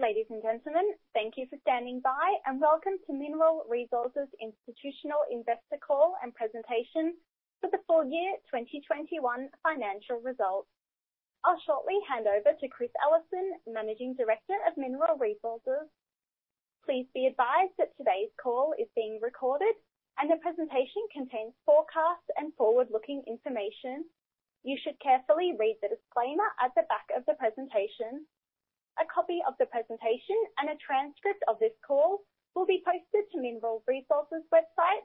Ladies and gentlemen, thank you for standing by and welcome to Mineral Resources Institutional Investor Call and Presentation for the full year 2021 financial results. I will shortly hand over to Chris Ellison, Managing Director of Mineral Resources. Please be advised that today's call is being recorded and the presentation contains forecasts and forward-looking information. You should carefully read the disclaimer at the back of the presentation. A copy of the presentation and a transcript of this call will be posted to Mineral Resources' website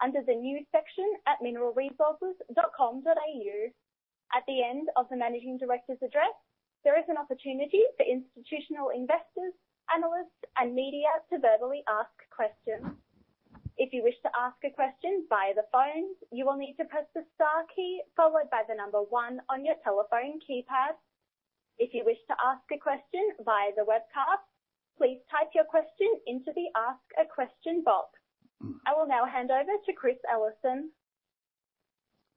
under the News section at mineralresources.com.au. At the end of the managing director's address, there is an opportunity for institutional investors, analysts, and media to verbally ask questions. If you wish to ask a question via the phone, you will need to press the star key followed by the number one on your telephone keypad. If you wish to ask a question via the webcast, please type your question into the Ask a Question box. I will now hand over to Chris Ellison.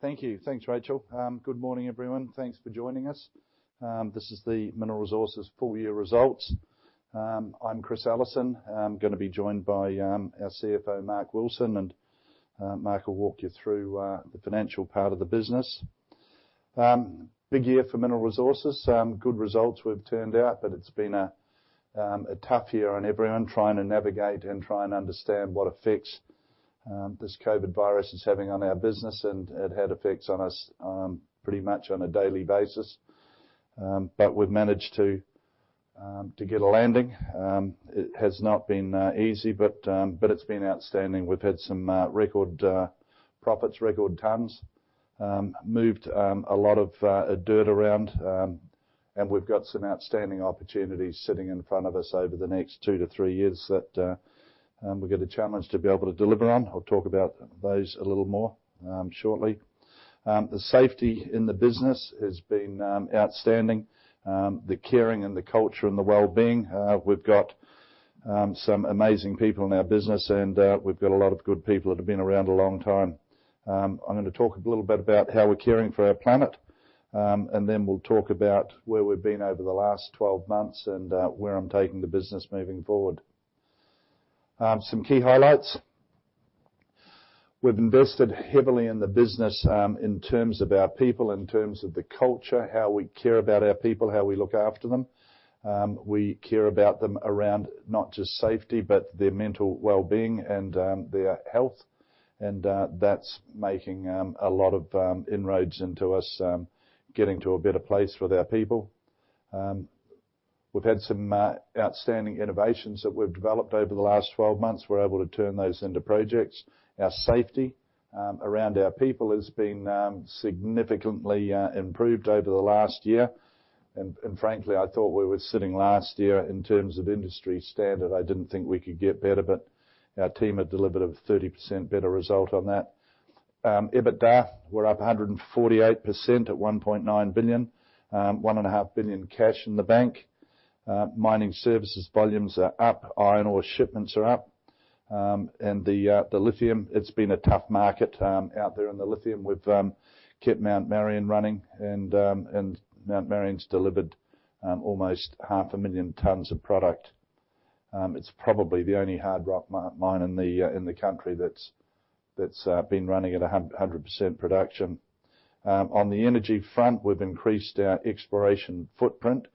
Thank you. Thanks, Rachel. Good morning, everyone. Thanks for joining us. This is the Mineral Resources full-year results. I'm Chris Ellison. I'm going to be joined by our CFO, Mark Wilson, Mark will walk you through the financial part of the business. Big year for Mineral Resources. Good results we've turned out, it's been a tough year on everyone trying to navigate and try and understand what effects this COVID virus is having on our business, it had effects on us pretty much on a daily basis. We've managed to get a landing. It has not been easy, it's been outstanding. We've had some record profits, record tons, moved a lot of dirt around, we've got some outstanding opportunities sitting in front of us over the next two to three years that we've got a challenge to be able to deliver on. I'll talk about those a little more shortly. The safety in the business has been outstanding. The caring and the culture and the wellbeing. We've got some amazing people in our business, and we've got a lot of good people that have been around a long time. I'm going to talk a little bit about how we're caring for our planet, then we'll talk about where we've been over the last 12 months and where I'm taking the business moving forward. Some key highlights. We've invested heavily in the business in terms of our people, in terms of the culture, how we care about our people, how we look after them. We care about them around not just safety, but their mental wellbeing and their health. That's making a lot of inroads into us getting to a better place with our people. We've had some outstanding innovations that we've developed over the last 12 months. We're able to turn those into projects. Our safety around our people has been significantly improved over the last year. Frankly, I thought we were sitting last year in terms of industry standard. I didn't think we could get better, Our team had delivered a 30% better result on that. EBITDA, we're up 148% at 1.9 billion. 1.5 billion cash in the bank. Mining services volumes are up, iron ore shipments are up. The lithium, it's been a tough market out there in the lithium. We've kept Mount Marion running and Mount Marion's delivered almost half a million tons of product. It's probably the only hard rock mine in the country that's been running at 100% production. On the energy front, we've increased our exploration footprint.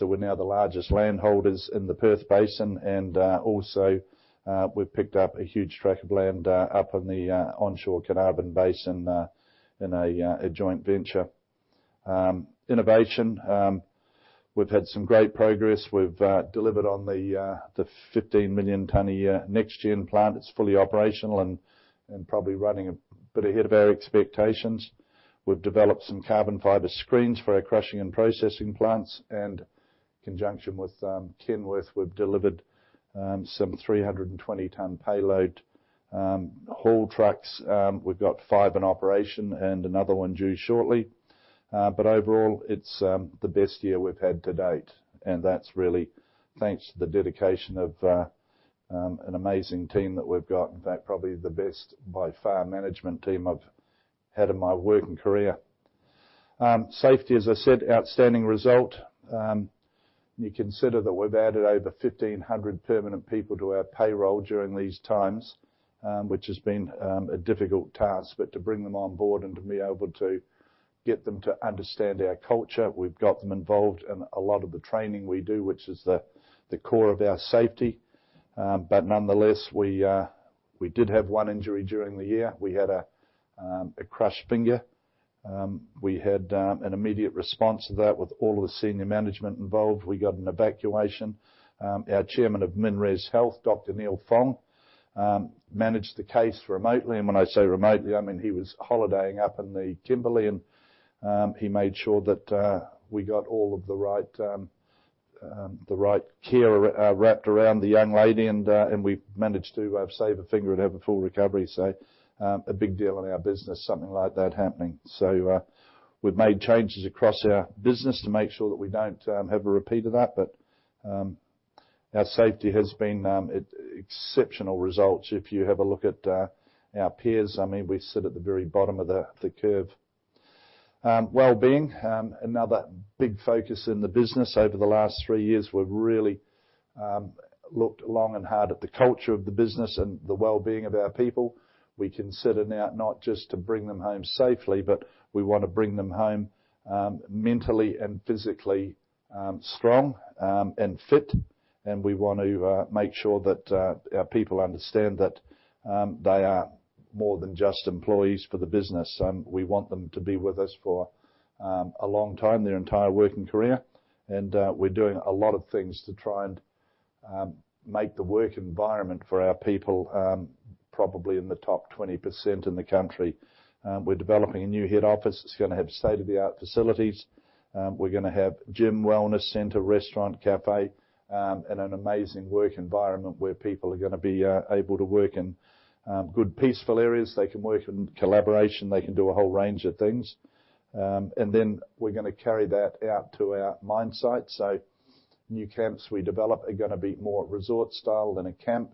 We're now the largest landholders in the Perth Basin, and also we've picked up a huge tract of land up in the onshore Carnarvon Basin in a joint venture. Innovation. We've had some great progress. We've delivered on the 15 million tons a year next-gen plant. It's fully operational and probably running a bit ahead of our expectations. We've developed some carbon fiber screens for our crushing and processing plants, in conjunction with Kenworth, we've delivered some 320-ton payload haul trucks. We've got five in operation and another one due shortly. Overall, it's the best year we've had to date, and that's really thanks to the dedication of an amazing team that we've got. In fact, probably the best by far management team I've had in my working career. Safety, as I said, outstanding result. You consider that we've added over 1,500 permanent people to our payroll during these times which has been a difficult task. To bring them on board and to be able to get them to understand our culture, we've got them involved in a lot of the training we do, which is the core of our safety. Nonetheless, we did have one injury during the year. We had a crushed finger. We had an immediate response to that with all of the senior management involved. We got an evacuation. Our chairman of MinRes Health, Dr. Neale Fong, managed the case remotely. When I say remotely, I mean he was holidaying up in the Kimberley and he made sure that we got all of the right care wrapped around the young lady and we managed to save a finger and have a full recovery. A big deal in our business, something like that happening. We've made changes across our business to make sure that we don't have a repeat of that. Our safety has been exceptional results. If you have a look at our peers, we sit at the very bottom of the curve. Wellbeing, another big focus in the business. Over the last three years, we've really looked long and hard at the culture of the business and the wellbeing of our people. We consider now not just to bring them home safely, but we want to bring them home mentally and physically strong and fit, and we want to make sure that our people understand that they are more than just employees for the business. We want them to be with us for a long time, their entire working career. We're doing a lot of things to try and make the work environment for our people probably in the top 20% in the country. We're developing a new head office. It's going to have state-of-the-art facilities. We're going to have gym, wellness center, restaurant, cafe, and an amazing work environment where people are going to be able to work in good, peaceful areas. They can work in collaboration. They can do a whole range of things. We're going to carry that out to our mine site. New camps we develop are going to be more resort style than a camp.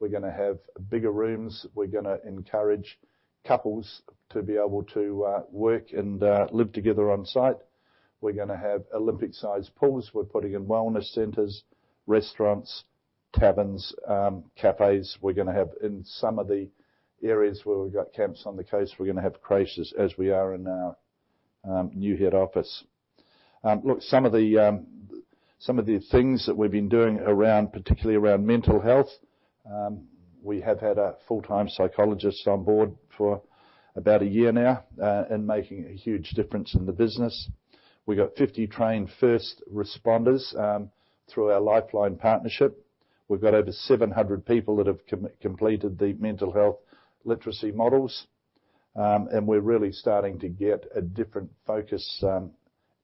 We're going to have bigger rooms. We're going to encourage couples to be able to work and live together on site. We're going to have Olympic-sized pools. We're putting in wellness centers, restaurants, taverns, cafes. We're going to have, in some of the areas where we've got camps on the coast, we're going to have creches, as we are in our new head office. Look, some of the things that we've been doing, particularly around mental health, we have had a full-time psychologist on board for about a year now and making a huge difference in the business. We got 50 trained first responders through our Lifeline partnership. We've got over 700 people that have completed the mental health literacy modules. We're really starting to get a different focus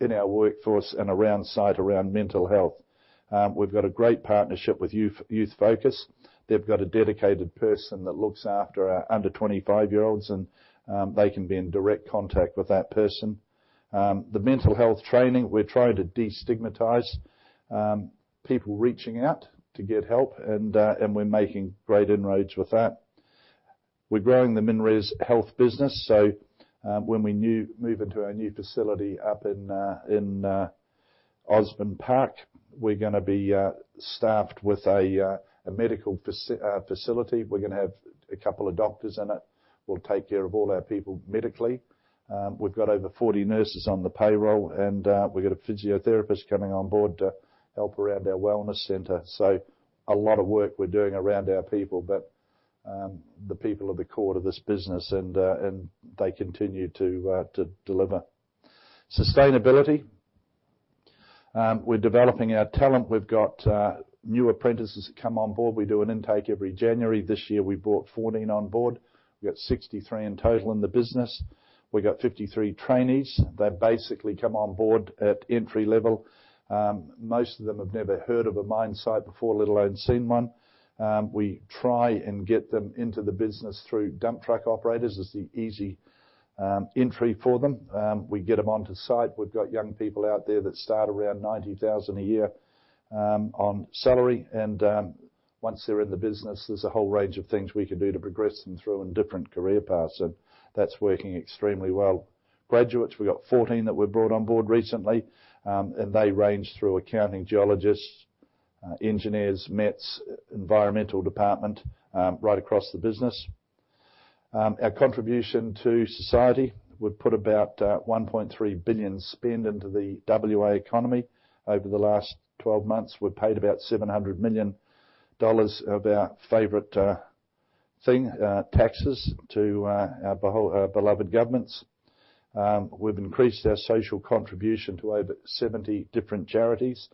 in our workforce and around site around mental health. We've got a great partnership with Youth Focus. They've got a dedicated person that looks after our under 25-year-olds, and they can be in direct contact with that person. The mental health training, we're trying to destigmatize people reaching out to get help, and we're making great inroads with that. We're growing the MinRes Health business. When we move into our new facility up in Osborne Park, we're going to be staffed with a medical facility. We're going to have a couple of doctors in it will take care of all our people medically. We've got over 40 nurses on the payroll, and we've got a physiotherapist coming on board to help around our wellness center. A lot of work we're doing around our people. The people are the core of this business, and they continue to deliver. Sustainability. We're developing our talent. We've got new apprentices that come on board. We do an intake every January. This year, we brought 14 on board. We got 63 in total in the business. We got 53 trainees. They basically come on board at entry level. Most of them have never heard of a mine site before, let alone seen one. We try and get them into the business through dump truck operators as the easy entry for them. We get them onto site. We've got young people out there that start around 90,000 a year on salary. Once they're in the business, there's a whole range of things we can do to progress them through in different career paths. That's working extremely well. Graduates, we got 14 that were brought on board recently. They range through accounting geologists, engineers, METS, environmental department, right across the business. Our contribution to society. We've put about 1.3 billion spend into the WA economy over the last 12 months. We paid about 700 million dollars of our favorite thing, taxes, to our beloved governments. We've increased our social contribution to over 70 different charities.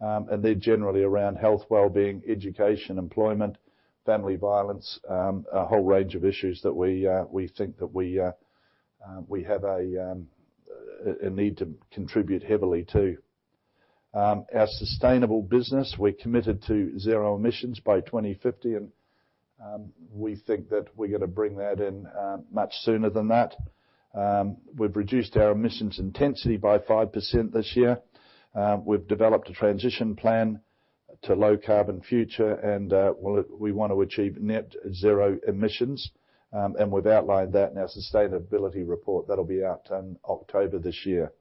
They're generally around health, wellbeing, education, employment, family violence, a whole range of issues that we think that we have a need to contribute heavily to. Our sustainable business. We're committed to zero emissions by 2050. We think that we're going to bring that in much sooner than that. We've reduced our emissions intensity by 5% this year. We've developed a transition plan to low carbon future. We want to achieve net zero emissions. We've outlined that in our sustainability report. That'll be out in October this year.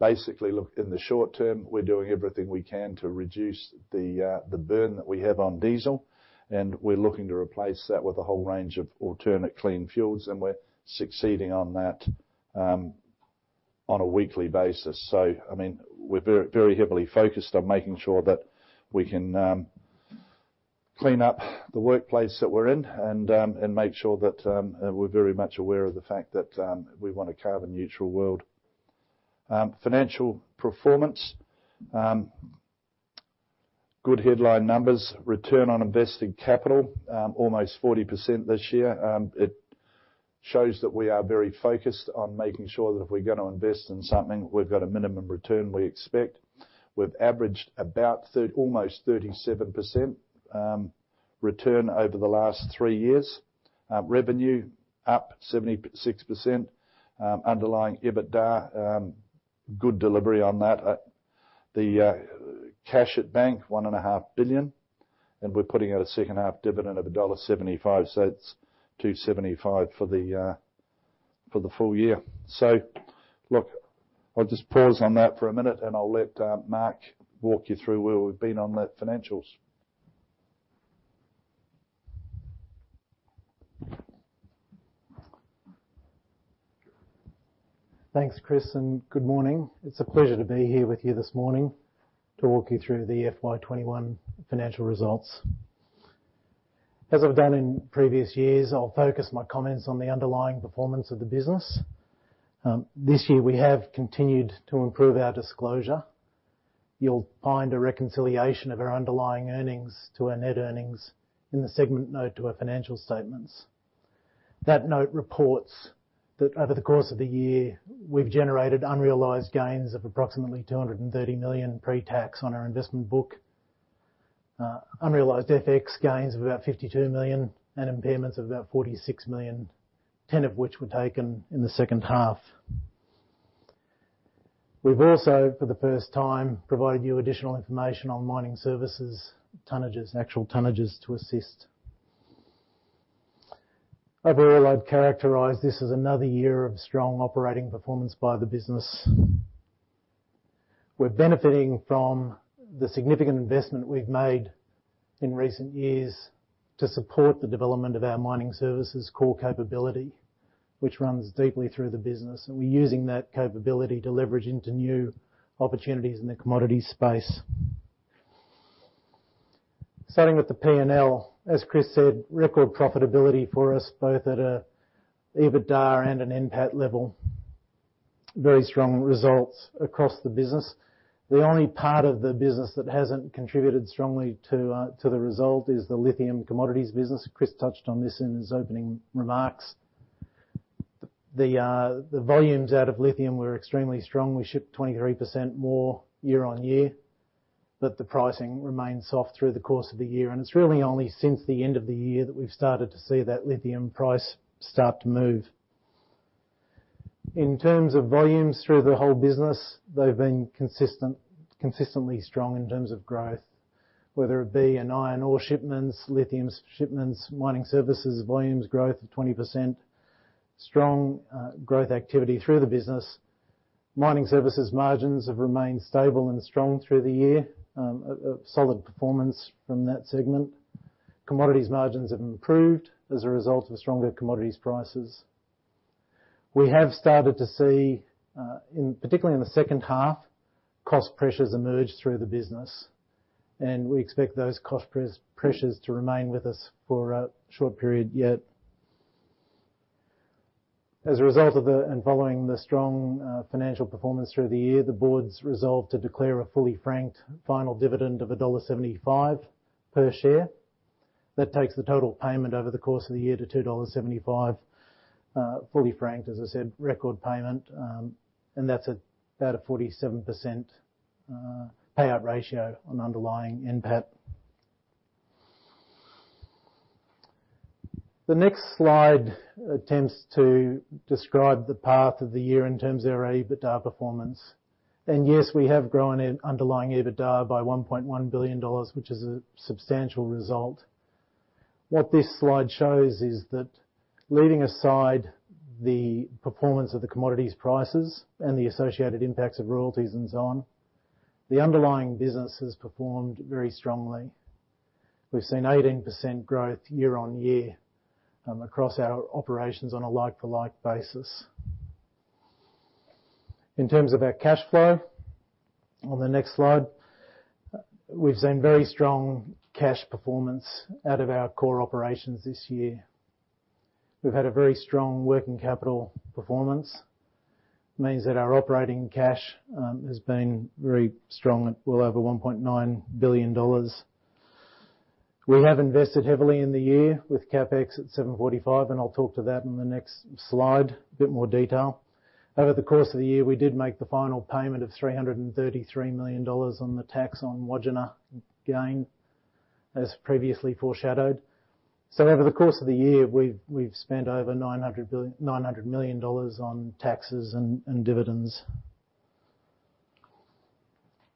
Basically, look, in the short term, we're doing everything we can to reduce the burn that we have on diesel, and we're looking to replace that with a whole range of alternate clean fuels, and we're succeeding on that on a weekly basis. We're very heavily focused on making sure that we can clean up the workplace that we're in and make sure that we're very much aware of the fact that we want a carbon neutral world. Financial performance. Good headline numbers. Return on invested capital, almost 40% this year. It shows that we are very focused on making sure that if we're going to invest in something, we've got a minimum return we expect. We've averaged almost 37% return over the last three years. Revenue up 76%. Underlying EBITDA, good delivery on that. The cash at bank, 1.5 billion. We're putting out a second-half dividend of dollar 1.75, so that's AUD 2.75 for the full year. I'll just pause on that for a minute, and I'll let Mark Wilson walk you through where we've been on that financials. Thanks, Chris, and good morning. It's a pleasure to be here with you this morning to walk you through the FY 2021 financial results. As I've done in previous years, I'll focus my comments on the underlying performance of the business. This year, we have continued to improve our disclosure. You'll find a reconciliation of our underlying earnings to our net earnings in the segment note to our financial statements. That note reports that over the course of the year, we've generated unrealized gains of approximately 230 million pre-tax on our investment book. Unrealized FX gains of about 52 million, impairments of about 46 million, 10 of which were taken in the second half. We've also, for the first time, provided you additional information on mining services tonnages, actual tonnages to assist. Overall, I'd characterize this as another year of strong operating performance by the business. We're benefiting from the significant investment we've made in recent years to support the development of our mining services core capability, which runs deeply through the business. We're using that capability to leverage into new opportunities in the commodities space. Starting with the P&L, as Chris said, record profitability for us, both at an EBITDA and an NPAT level. Very strong results across the business. The only part of the business that hasn't contributed strongly to the result is the lithium commodities business. Chris touched on this in his opening remarks. The volumes out of lithium were extremely strong. We shipped 23% more year-on-year, but the pricing remained soft through the course of the year. It's really only since the end of the year that we've started to see that lithium price start to move. In terms of volumes through the whole business, they've been consistently strong in terms of growth, whether it be in iron ore shipments, lithium shipments, mining services volumes growth of 20%, strong growth activity through the business. Mining services margins have remained stable and strong through the year. A solid performance from that segment. Commodities margins have improved as a result of stronger commodities prices. We have started to see, particularly in the second half, cost pressures emerge through the business, and we expect those cost pressures to remain with us for a short period yet. As a result of the, and following the strong financial performance through the year, the board's resolved to declare a fully franked final dividend of dollar 1.75 per share. That takes the total payment over the course of the year to 2.75 dollars, fully franked, as I said, record payment. That's about a 47% payout ratio on underlying NPAT. The next slide attempts to describe the path of the year in terms of our EBITDA performance. Yes, we have grown underlying EBITDA by 1.1 billion dollars, which is a substantial result. What this slide shows is that leaving aside the performance of the commodities prices and the associated impacts of royalties and so on, the underlying business has performed very strongly. We've seen 18% growth year-on-year across our operations on a like-for-like basis. In terms of our cash flow, on the next slide, we've seen very strong cash performance out of our core operations this year. We've had a very strong working capital performance. It means that our operating cash has been very strong at well over 1.9 billion dollars. We have invested heavily in the year with CapEx at 745, I'll talk to that in the next slide, a bit more detail. Over the course of the year, we did make the final payment of 333 million dollars on the tax on Wodgina gain, as previously foreshadowed. Over the course of the year, we've spent over 900 million dollars on taxes and dividends.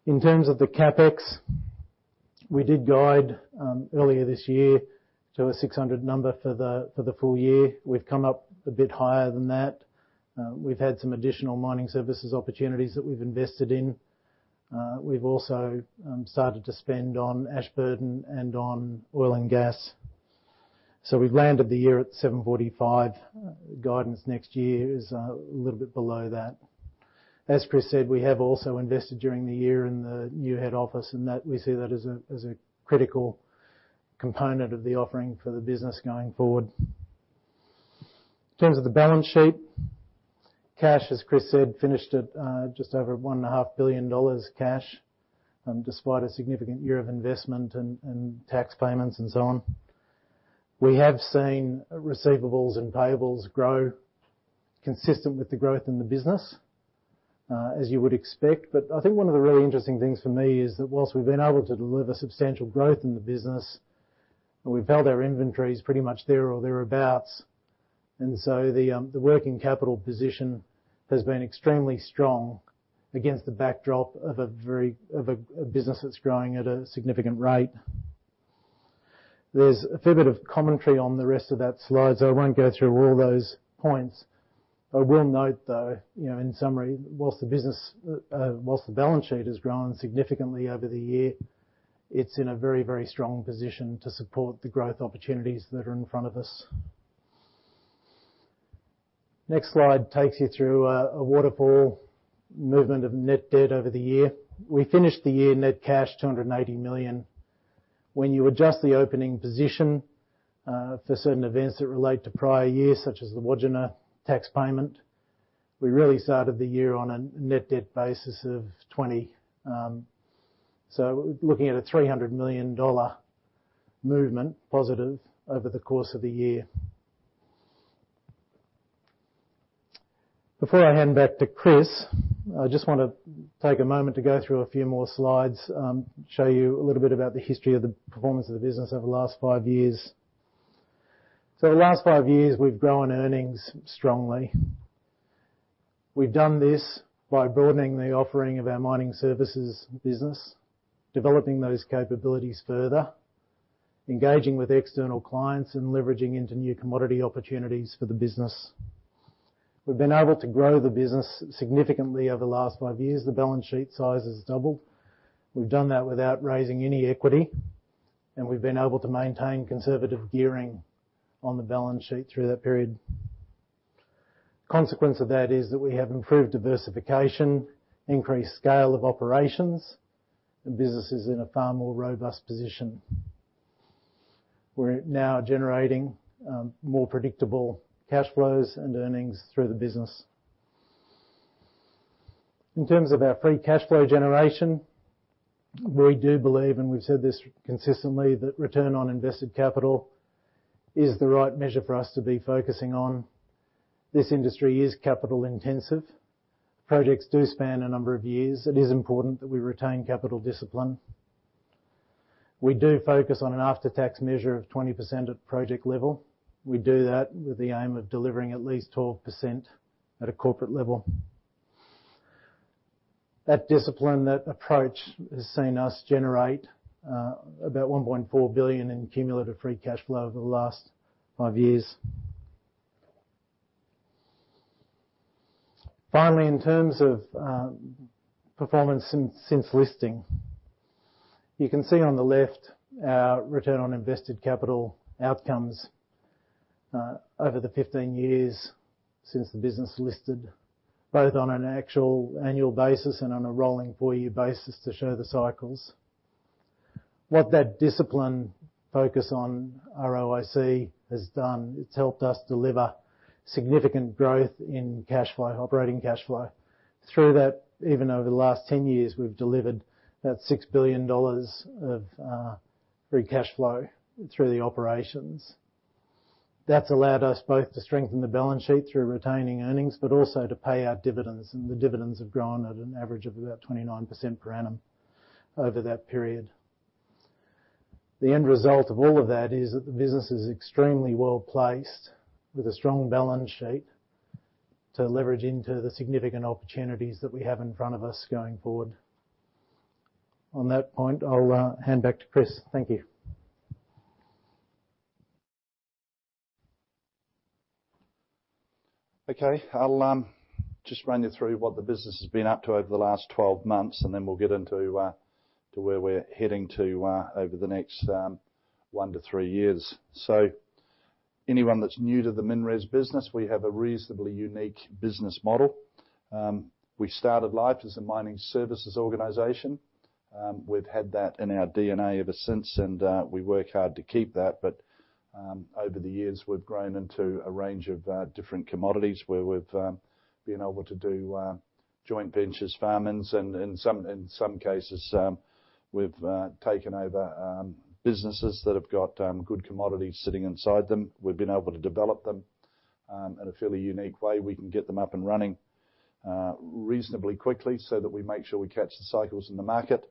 In terms of the CapEx, we did guide earlier this year to a 600 number for the full year. We've come up a bit higher than that. We've had some additional mining services opportunities that we've invested in. We've also started to spend on Ashburton and on oil and gas. We've landed the year at 745. Guidance next year is a little bit below that. As Chris said, we have also invested during the year in the new head office. We see that as a critical component of the offering for the business going forward. In terms of the balance sheet, cash, as Chris said, finished at just over 1.5 billion dollars cash, despite a significant year of investment and tax payments and so on. We have seen receivables and payables grow consistent with the growth in the business. As you would expect. I think one of the really interesting things for me is that whilst we've been able to deliver substantial growth in the business, we've held our inventories pretty much there or thereabouts. The working capital position has been extremely strong against the backdrop of a business that's growing at a significant rate. There's a fair bit of commentary on the rest of that slide, so I won't go through all those points. I will note, though, in summary, whilst the balance sheet has grown significantly over the year, it's in a very strong position to support the growth opportunities that are in front of us. Next slide takes you through a waterfall movement of net debt over the year. We finished the year net cash 280 million. When you adjust the opening position for certain events that relate to prior years, such as the Wodgina tax payment, we really started the year on a net debt basis of 20. Looking at a 300 million dollar movement, positive over the course of the year. Before I hand back to Chris, I just want to take a moment to go through a few more slides, show you a little bit about the history of the performance of the business over the last five years. The last five years, we've grown earnings strongly. We've done this by broadening the offering of our mining services business, developing those capabilities further, engaging with external clients, and leveraging into new commodity opportunities for the business. We've been able to grow the business significantly over the last five years. The balance sheet size has doubled. We've done that without raising any equity, and we've been able to maintain conservative gearing on the balance sheet through that period. Consequence of that is that we have improved diversification, increased scale of operations, and business is in a far more robust position. We're now generating more predictable cash flows and earnings through the business. In terms of our free cash flow generation, we do believe, and we've said this consistently, that return on invested capital is the right measure for us to be focusing on. This industry is capital intensive. Projects do span a number of years. It is important that we retain capital discipline. We do focus on an after-tax measure of 20% at project level. We do that with the aim of delivering at least 12% at a corporate level. That discipline, that approach, has seen us generate about 1.4 billion in cumulative free cash flow over the last five years. Finally, in terms of performance since listing. You can see on the left our return on invested capital outcomes over the 15 years since the business listed, both on an actual annual basis and on a rolling four-year basis to show the cycles. What that discipline focus on ROIC has done, it has helped us deliver significant growth in operating cash flow. Through that, even over the last 10 years, we have delivered about 6 billion dollars of free cash flow through the operations. That has allowed us both to strengthen the balance sheet through retaining earnings, but also to pay out dividends. The dividends have grown at an average of about 29% per annum over that period. The end result of all of that is that the business is extremely well-placed, with a strong balance sheet to leverage into the significant opportunities that we have in front of us going forward. On that point, I will hand back to Chris. Thank you. Okay. I'll just run you through what the business has been up to over the last 12 months, then we'll get into where we're heading to over the next one to three years. Anyone that's new to the MinRes business, we have a reasonably unique business model. We started life as a mining services organization. We've had that in our DNA ever since, and we work hard to keep that. Over the years, we've grown into a range of different commodities where we've been able to do joint ventures, farm-ins, and in some cases, we've taken over businesses that have got good commodities sitting inside them. We've been able to develop them in a fairly unique way. We can get them up and running reasonably quickly so that we make sure we catch the cycles in the market,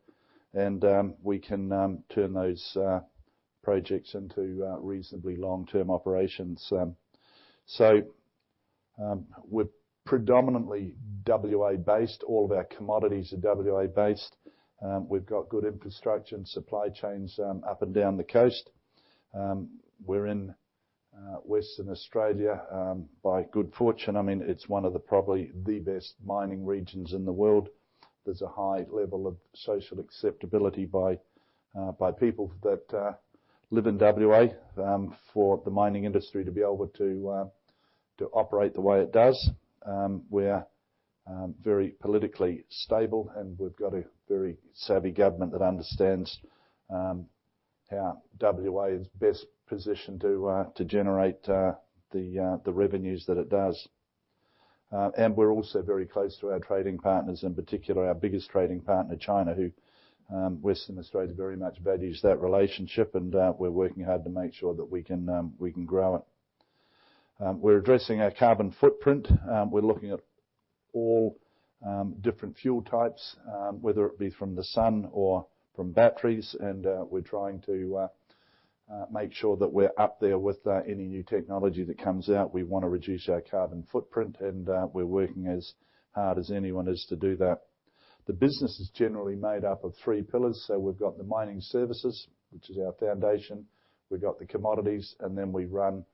and we can turn those projects into reasonably long-term operations. We're predominantly WA based. All of our commodities are WA based. We've got good infrastructure and supply chains up and down the coast. We're in Western Australia. By good fortune, it's one of the probably the best mining regions in the world. There's a high level of social acceptability by people that live in WA for the mining industry to be able to operate the way it does. We're very politically stable, and we've got a very savvy government that understands how WA is best positioned to generate the revenues that it does. We're also very close to our trading partners, in particular, our biggest trading partner, China, who Western Australia very much values that relationship, and we're working hard to make sure that we can grow it. We're addressing our carbon footprint. We're looking at all different fuel types, whether it be from the sun or from batteries, and we're trying to make sure that we're up there with any new technology that comes out. We want to reduce our carbon footprint, and we're working as hard as anyone is to do that. The business is generally made up of three pillars. We've got the mining services, which is our foundation, we've got the commodities, and then we run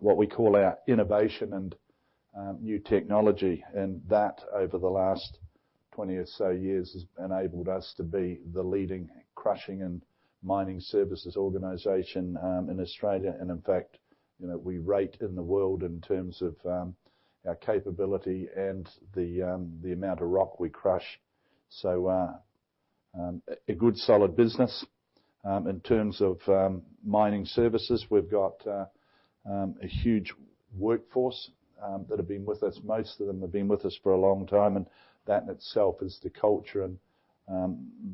what we call our innovation and new technology. That, over the last 20 or so years, has enabled us to be the leading crushing and mining services organization in Australia. In fact, we rate in the world in terms of our capability and the amount of rock we crush. A good solid business. In terms of mining services, we've got a huge workforce that have been with us. Most of them have been with us for a long time, and that in itself is the culture and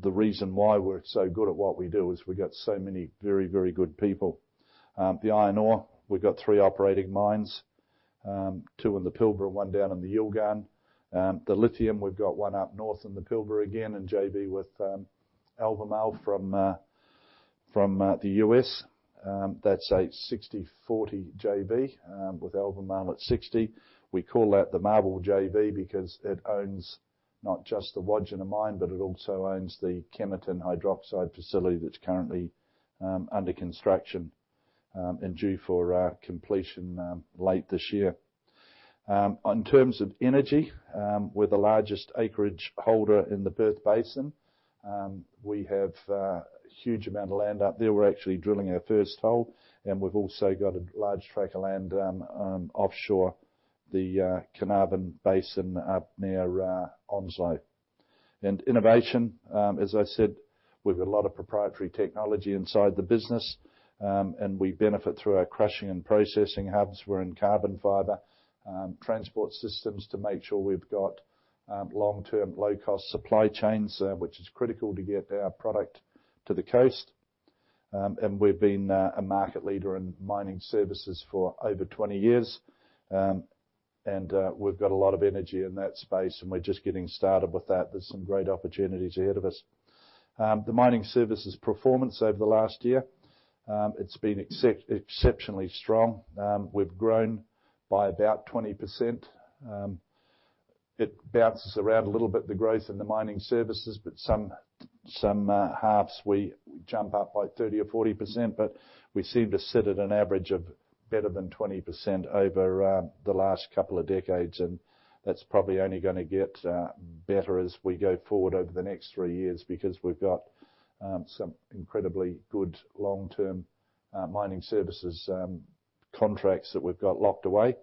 the reason why we're so good at what we do, is we got so many very, very good people. The iron ore, we've got three operating mines. Two in the Pilbara, one down in the Yilgarn. The lithium, we've got one up north in the Pilbara again, and JV with Albemarle from the U.S. That's a 60/40 JV with Albemarle at 60. We call that the MARBL JV because it owns not just the Wodgina mine, but it also owns the Kemerton Hydroxide facility that's currently under construction, due for completion late this year. In terms of energy, we're the largest acreage holder in the Perth Basin. We have a huge amount of land up there. We're actually drilling our first hole. We've also got a large tract of land offshore the Carnarvon Basin up near Onslow. Innovation, as I said, we've got a lot of proprietary technology inside the business. We benefit through our crushing and processing hubs. We're in carbon fiber transport systems to make sure we've got long-term, low-cost supply chains, which is critical to get our product to the coast. We've been a market leader in mining services for over 20 years. We've got a lot of energy in that space, and we're just getting started with that. There's some great opportunities ahead of us. The mining services performance over the last year, it's been exceptionally strong. We've grown by about 20%. It bounces around a little bit, the growth in the mining services, some halves we jump up by 30% or 40%. We seem to sit at an average of better than 20% over the last couple of decades. That's probably only gonna get better as we go forward over the next three years because we've got some incredibly good long-term mining services contracts that we've got locked away.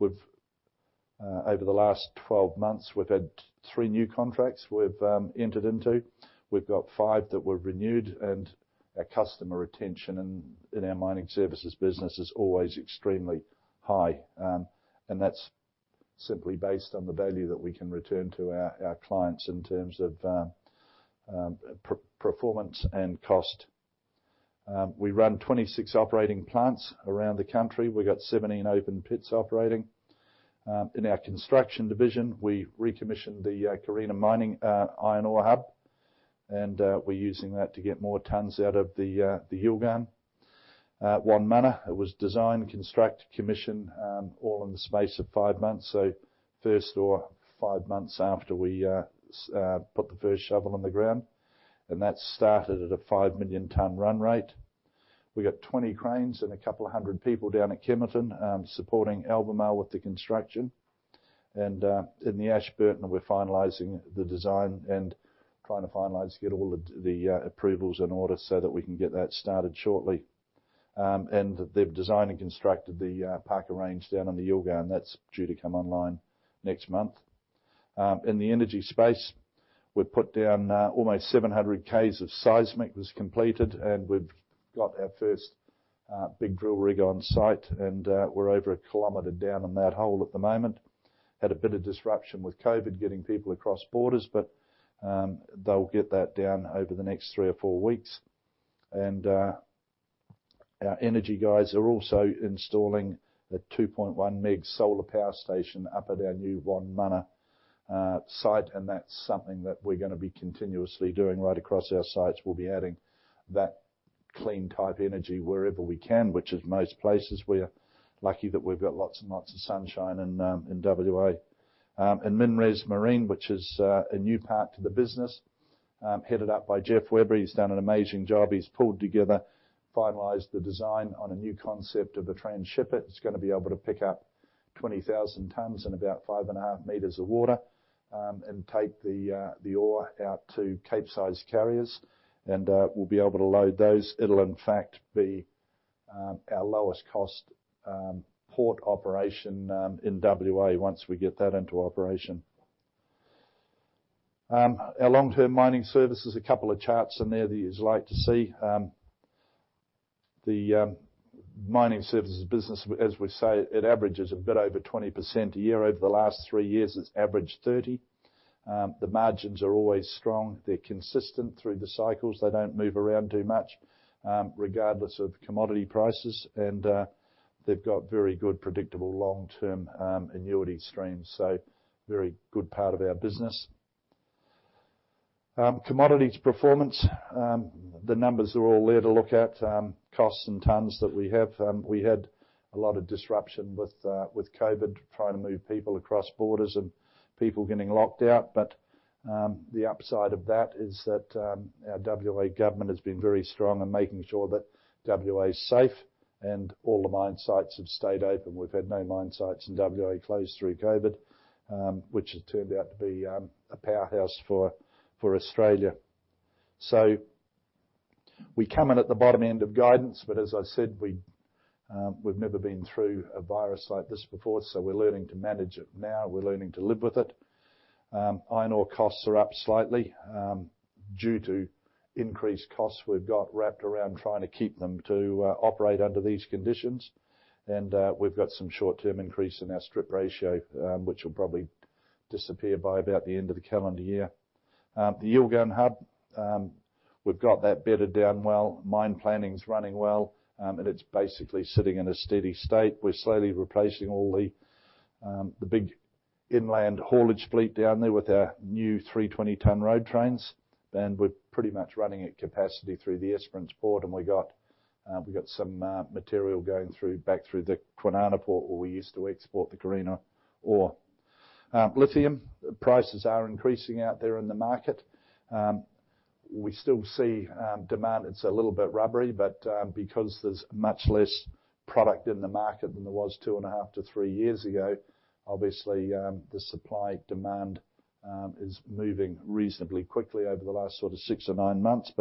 Over the last 12 months, we've had three new contracts we've entered into. We've got five that were renewed. Our customer retention in our mining services business is always extremely high. That's simply based on the value that we can return to our clients in terms of performance and cost. We run 26 operating plants around the country. We've got 17 open pits operating. In our construction division, we recommissioned the Carina mining iron ore hub, and we're using that to get more tonnes out of the Yilgarn. Wonmunna was designed, constructed, commissioned all in the space of five months. First ore, five months after we put the first shovel in the ground. That started at a 5-million-tonne run rate. We got 20 cranes and a couple of hundred people down at Kemerton supporting Albemarle with the construction. In the Ashburton, we're finalizing the design and trying to finalize to get all the approvals and orders so that we can get that started shortly. They've designed and constructed the Parker Range down in the Yilgarn. That's due to come online next month. In the energy space, we've put down almost 700 km of seismic was completed, and we've got our first big drill rig on site, and we're over kilometer down in that hole at the moment. Had a bit of disruption with COVID getting people across borders, but they'll get that down over the next three or four weeks. Our energy guys are also installing a 2.1 MW solar power station up at our new Wonmunna site, and that's something that we're gonna be continuously doing right across our sites. We'll be adding that clean type energy wherever we can, which is most places. We are lucky that we've got lots and lots of sunshine in WA. MinRes Marine, which is a new part to the business, headed up by Jeff Weber. He's done an amazing job. He's pulled together, finalized the design on a new concept of a transhipper. It's gonna be able to pick up 20,000 tons in about 5.5 meters of water, and take the ore out to Capesize carriers. We'll be able to load those. It'll in fact be our lowest cost port operation in WA once we get that into operation. Our long-term mining services, two charts in there that you'd like to see. The mining services business, as we say, it averages a bit over 20% a year. Over the last three years, it's averaged 30%. The margins are always strong. They're consistent through the cycles. They don't move around too much, regardless of commodity prices, and they've got very good, predictable long-term annuity streams. A very good part of our business. Commodities performance, the numbers are all there to look at, costs and tonnes that we have. We had a lot of disruption with COVID, trying to move people across borders and people getting locked out. The upside of that is that our WA government has been very strong in making sure that WA is safe and all the mine sites have stayed open. We've had no mine sites in WA close through COVID, which has turned out to be a powerhouse for Australia. We come in at the bottom end of guidance, as I said, we've never been through a virus like this before, we're learning to manage it now, we're learning to live with it. Iron ore costs are up slightly due to increased costs we've got wrapped around trying to keep them to operate under these conditions. We've got some short-term increase in our strip ratio, which will probably disappear by about the end of the calendar year. The Yilgarn Hub, we've got that bedded down well. Mine planning's running well, it's basically sitting in a steady state. We're slowly replacing all the big inland haulage fleet down there with our new 320-tonne road trains. We're pretty much running at capacity through the Esperance Port, we've got some material going back through the Kwinana Port where we used to export the Carina ore. Lithium prices are increasing out there in the market. We still see demand. It's a little bit rubbery, because there's much less product in the market than there was two and a half to three years ago, obviously, the supply-demand is moving reasonably quickly over the last sort of six or nine months.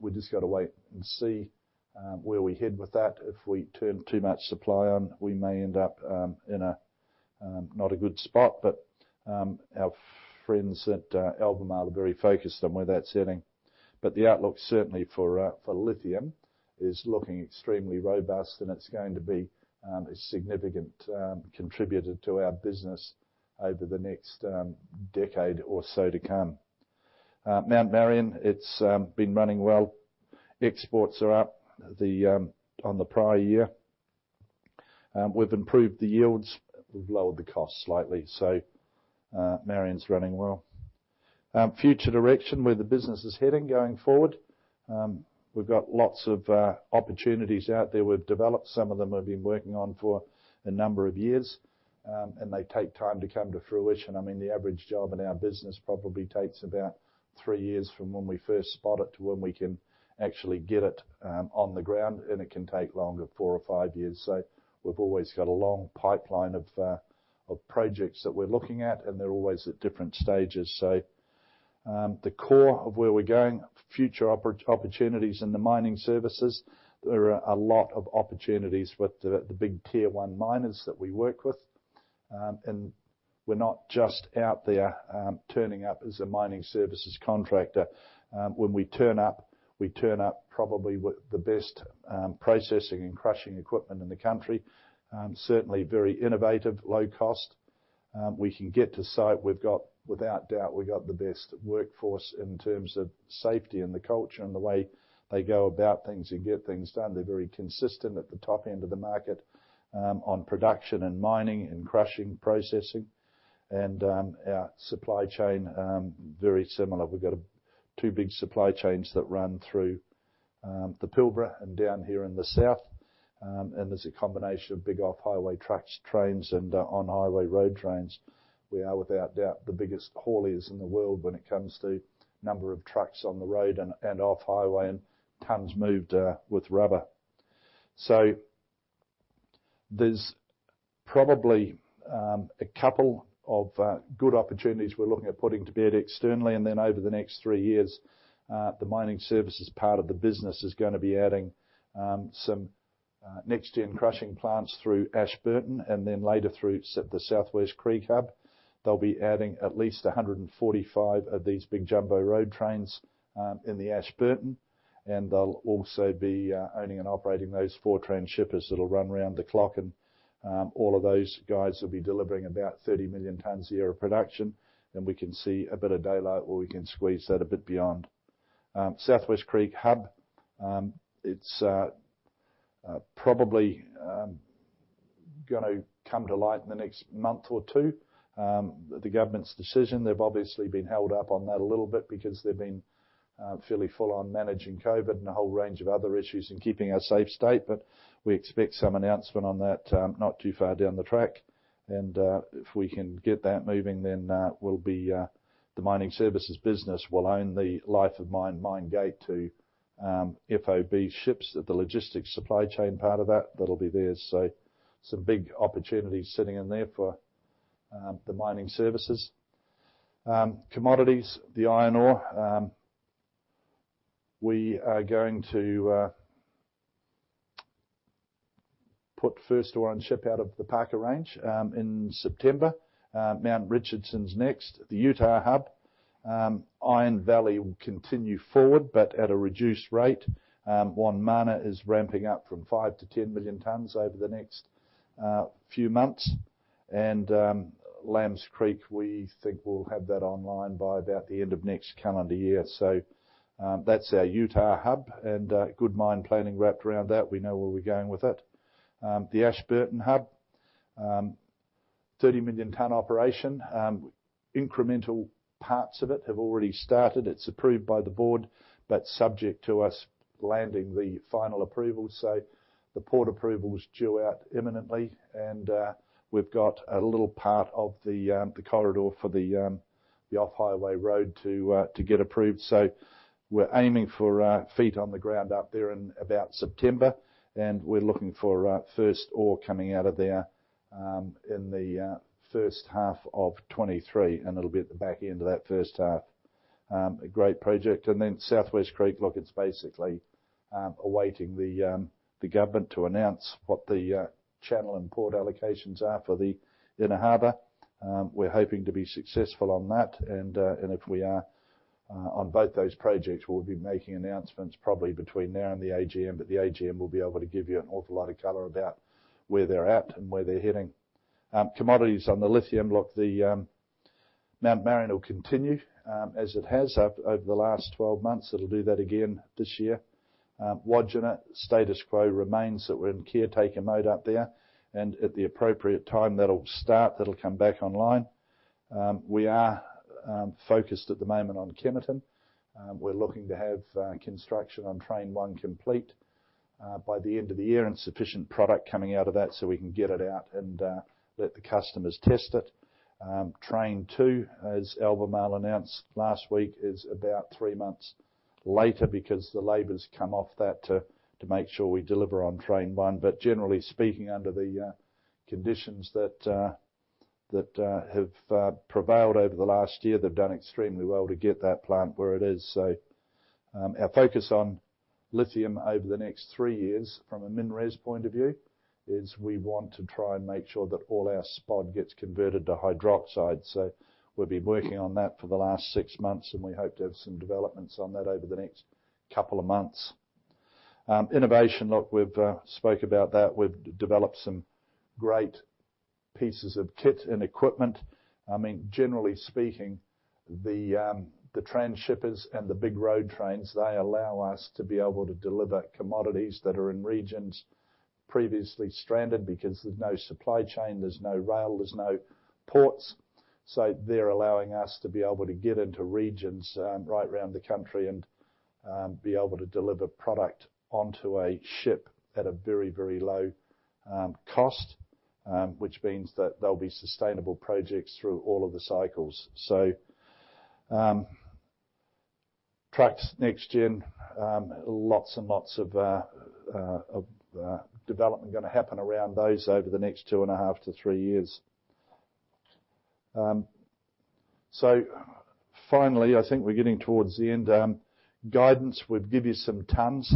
We just got to wait and see where we head with that. If we turn too much supply on, we may end up in not a good spot. Our friends at Albemarle are very focused on where that's heading. The outlook certainly for lithium is looking extremely robust, and it's going to be a significant contributor to our business over the next decade or so to come. Mount Marion, it's been running well. Exports are up on the prior year. We've improved the yields. We've lowered the cost slightly. Marion's running well. Future direction, where the business is heading going forward. We've got lots of opportunities out there we've developed. Some of them we've been working on for a number of years, and they take time to come to fruition. I mean, the average job in our business probably takes about three years from when we first spot it to when we can actually get it on the ground, and it can take longer, four or five years. We've always got a long pipeline of projects that we're looking at, and they're always at different stages. The core of where we're going, future opportunities in the mining services, there are a lot of opportunities with the big tier one miners that we work with. We're not just out there turning up as a mining services contractor. When we turn up, we turn up probably with the best processing and crushing equipment in the country. Certainly very innovative, low cost. We can get to site. Without doubt, we got the best workforce in terms of safety and the culture and the way they go about things and get things done. They're very consistent at the top end of the market on production and mining and crushing, processing. Our supply chain, very similar. We've got two big supply chains that run through the Pilbara and down here in the south. There's a combination of big off-highway trucks, trains, and on-highway road trains. We are, without doubt, the biggest haulers in the world when it comes to number of trucks on the road and off-highway and tonnes moved with rubber. There's probably a couple of good opportunities we're looking at putting to bed externally. Over the next three years, the mining services part of the business is going to be adding some next-gen crushing plants through Ashburton and later through the South West Creek Hub. They will be adding at least 145 of these big jumbo road trains in the Ashburton, and they will also be owning and operating those four transhippers that will run around the clock. All of those guys will be delivering about 30 million tons a year of production. We can see a bit of daylight where we can squeeze that a bit beyond. South West Creek Hub, it is probably going to come to light in the next month or two. The government’s decision, they have obviously been held up on that a little bit because they have been fairly full on managing COVID and a whole range of other issues and keeping us safe state. We expect some announcement on that not too far down the track. If we can get that moving, then the mining services business will own the life of mine gate to FOB ships. The logistics supply chain part of that'll be theirs. Some big opportunities sitting in there for the mining services. Commodities, the iron ore, we are going to put first ore on ship out of the Parker Range in September. Mount Richardson's next, the Utah Hub, Iron Valley will continue forward, but at a reduced rate. Wonmunna is ramping up from 5 to 10 million tonnes over the next few months. Lambs Creek, we think we'll have that online by about the end of next calendar year. That's our Utah Hub, and good mine planning wrapped around that. We know where we're going with it. The Ashburton Hub, 30 million tonne operation. Incremental parts of it have already started. It's approved by the board, but subject to us landing the final approval. The port approval is due out imminently. We've got a little part of the corridor for the off-highway road to get approved. We're aiming for feet on the ground up there in about September, and we're looking for first ore coming out of there in the first half of 2023, and it'll be at the back end of that first half. A great project. South West Creek, look, it's basically awaiting the government to announce what the channel and port allocations are for the inner harbor. We're hoping to be successful on that. If we are, on both those projects, we'll be making announcements probably between now and the AGM. The AGM will be able to give you an awful lot of color about where they're at and where they're heading. Commodities on the lithium. Look, the Mount Marion will continue as it has over the last 12 months. It'll do that again this year. Wodgina, status quo remains that we're in caretaker mode up there, and at the appropriate time, that'll start, that'll come back online. We are focused at the moment on Kemerton. We're looking to have construction on train 1 complete by the end of the year, and sufficient product coming out of that so we can get it out and let the customers test it. Train 2, as Albemarle announced last week, is about 3 months later because the labor's come off that to make sure we deliver on train 1. Generally speaking, under the conditions that have prevailed over the last year, they've done extremely well to get that plant where it is. Our focus on lithium over the next three years from a MinRes point of view is we want to try and make sure that all our SPOD gets converted to hydroxide. We've been working on that for the last six months, and we hope to have some developments on that over the next couple of months. Innovation. Look, we've spoke about that. We've developed some great pieces of kit and equipment. I mean, generally speaking, the trainshippers and the big road trains, they allow us to be able to deliver commodities that are in regions previously stranded because there's no supply chain, there's no rail, there's no ports. They're allowing us to be able to get into regions right around the country and be able to deliver product onto a ship at a very, very low cost, which means that they'll be sustainable projects through all of the cycles. Trucks next-gen. Lots and lots of development going to happen around those over the next two and half to three years. Finally, I think we're getting towards the end. Guidance. We've give you some tons.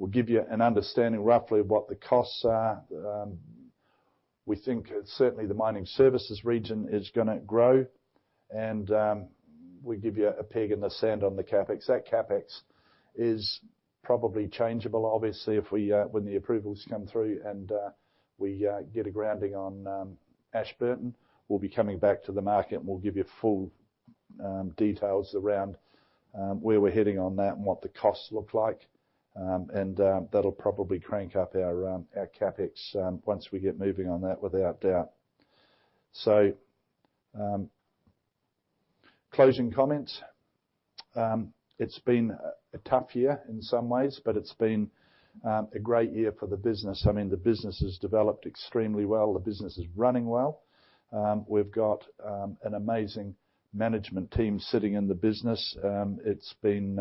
We'll give you an understanding roughly of what the costs are. We think certainly the mining services region is going to grow. We give you a peg in the sand on the CapEx. That CapEx is probably changeable. Obviously, when the approvals come through and we get a grounding on Ashburton, we'll be coming back to the market, and we'll give you full details around where we're heading on that and what the costs look like. That'll probably crank up our CapEx once we get moving on that, without a doubt. Closing comments. It's been a tough year in some ways, but it's been a great year for the business. I mean, the business has developed extremely well. The business is running well. We've got an amazing management team sitting in the business. It's been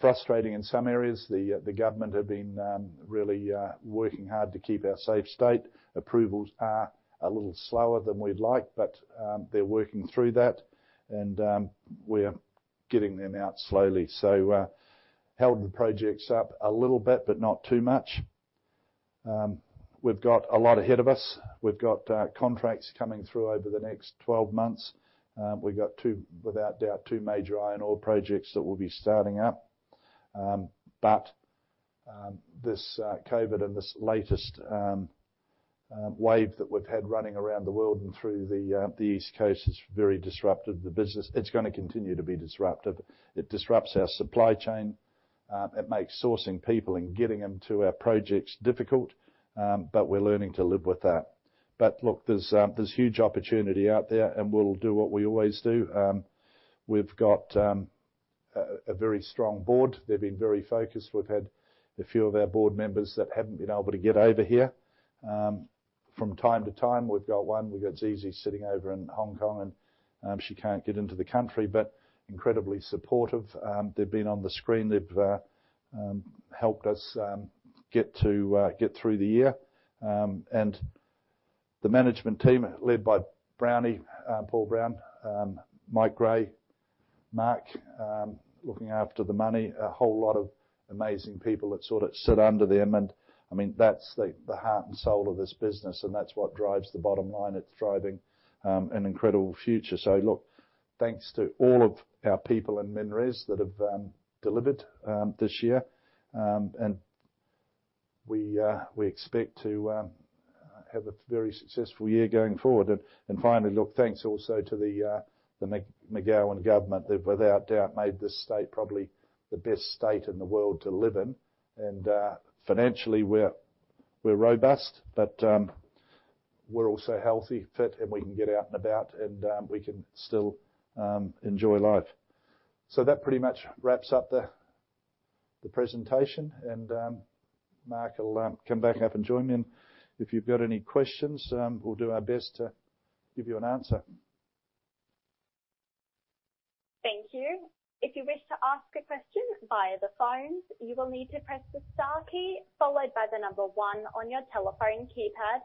frustrating in some areas. The government have been really working hard to keep our safe state. Approvals are a little slower than we'd like, but they're working through that and we're getting them out slowly. Held the projects up a little bit, but not too much. We've got a lot ahead of us. We've got contracts coming through over the next 12 months. We've got, without doubt, two major iron ore projects that we'll be starting up. This COVID and this latest wave that we've had running around the world and through the East Coast has very disrupted the business. It's going to continue to be disruptive. It disrupts our supply chain. It makes sourcing people and getting them to our projects difficult, but we're learning to live with that. Look, there's huge opportunity out there, and we'll do what we always do. We've got a very strong board. They've been very focused. We've had a few of our board members that haven't been able to get over here. From time to time, we've got one, we've got Xi Xi sitting over in Hong Kong, and she can't get into the country. Incredibly supportive. They've been on the screen. They've helped us get through the year. The management team, led by Brownie, Paul Brown, Mike Grey, Mark, looking after the money. A whole lot of amazing people that sort of sit under them, and that's the heart and soul of this business, and that's what drives the bottom line. It's driving an incredible future. Look, thanks to all of our people in MinRes that have delivered this year. We expect to have a very successful year going forward. Finally, look, thanks also to the McGowan government, who have without doubt made this state probably the best state in the world to live in. Financially, we're robust but we're also healthy, fit, and we can get out and about, and we can still enjoy life. That pretty much wraps up the presentation. Mark will come back up and join me. If you've got any questions, we'll do our best to give you an answer. Thank you. If you wish to ask a question via the phone, you will need to press the star key followed by the number one on your telephone keypad.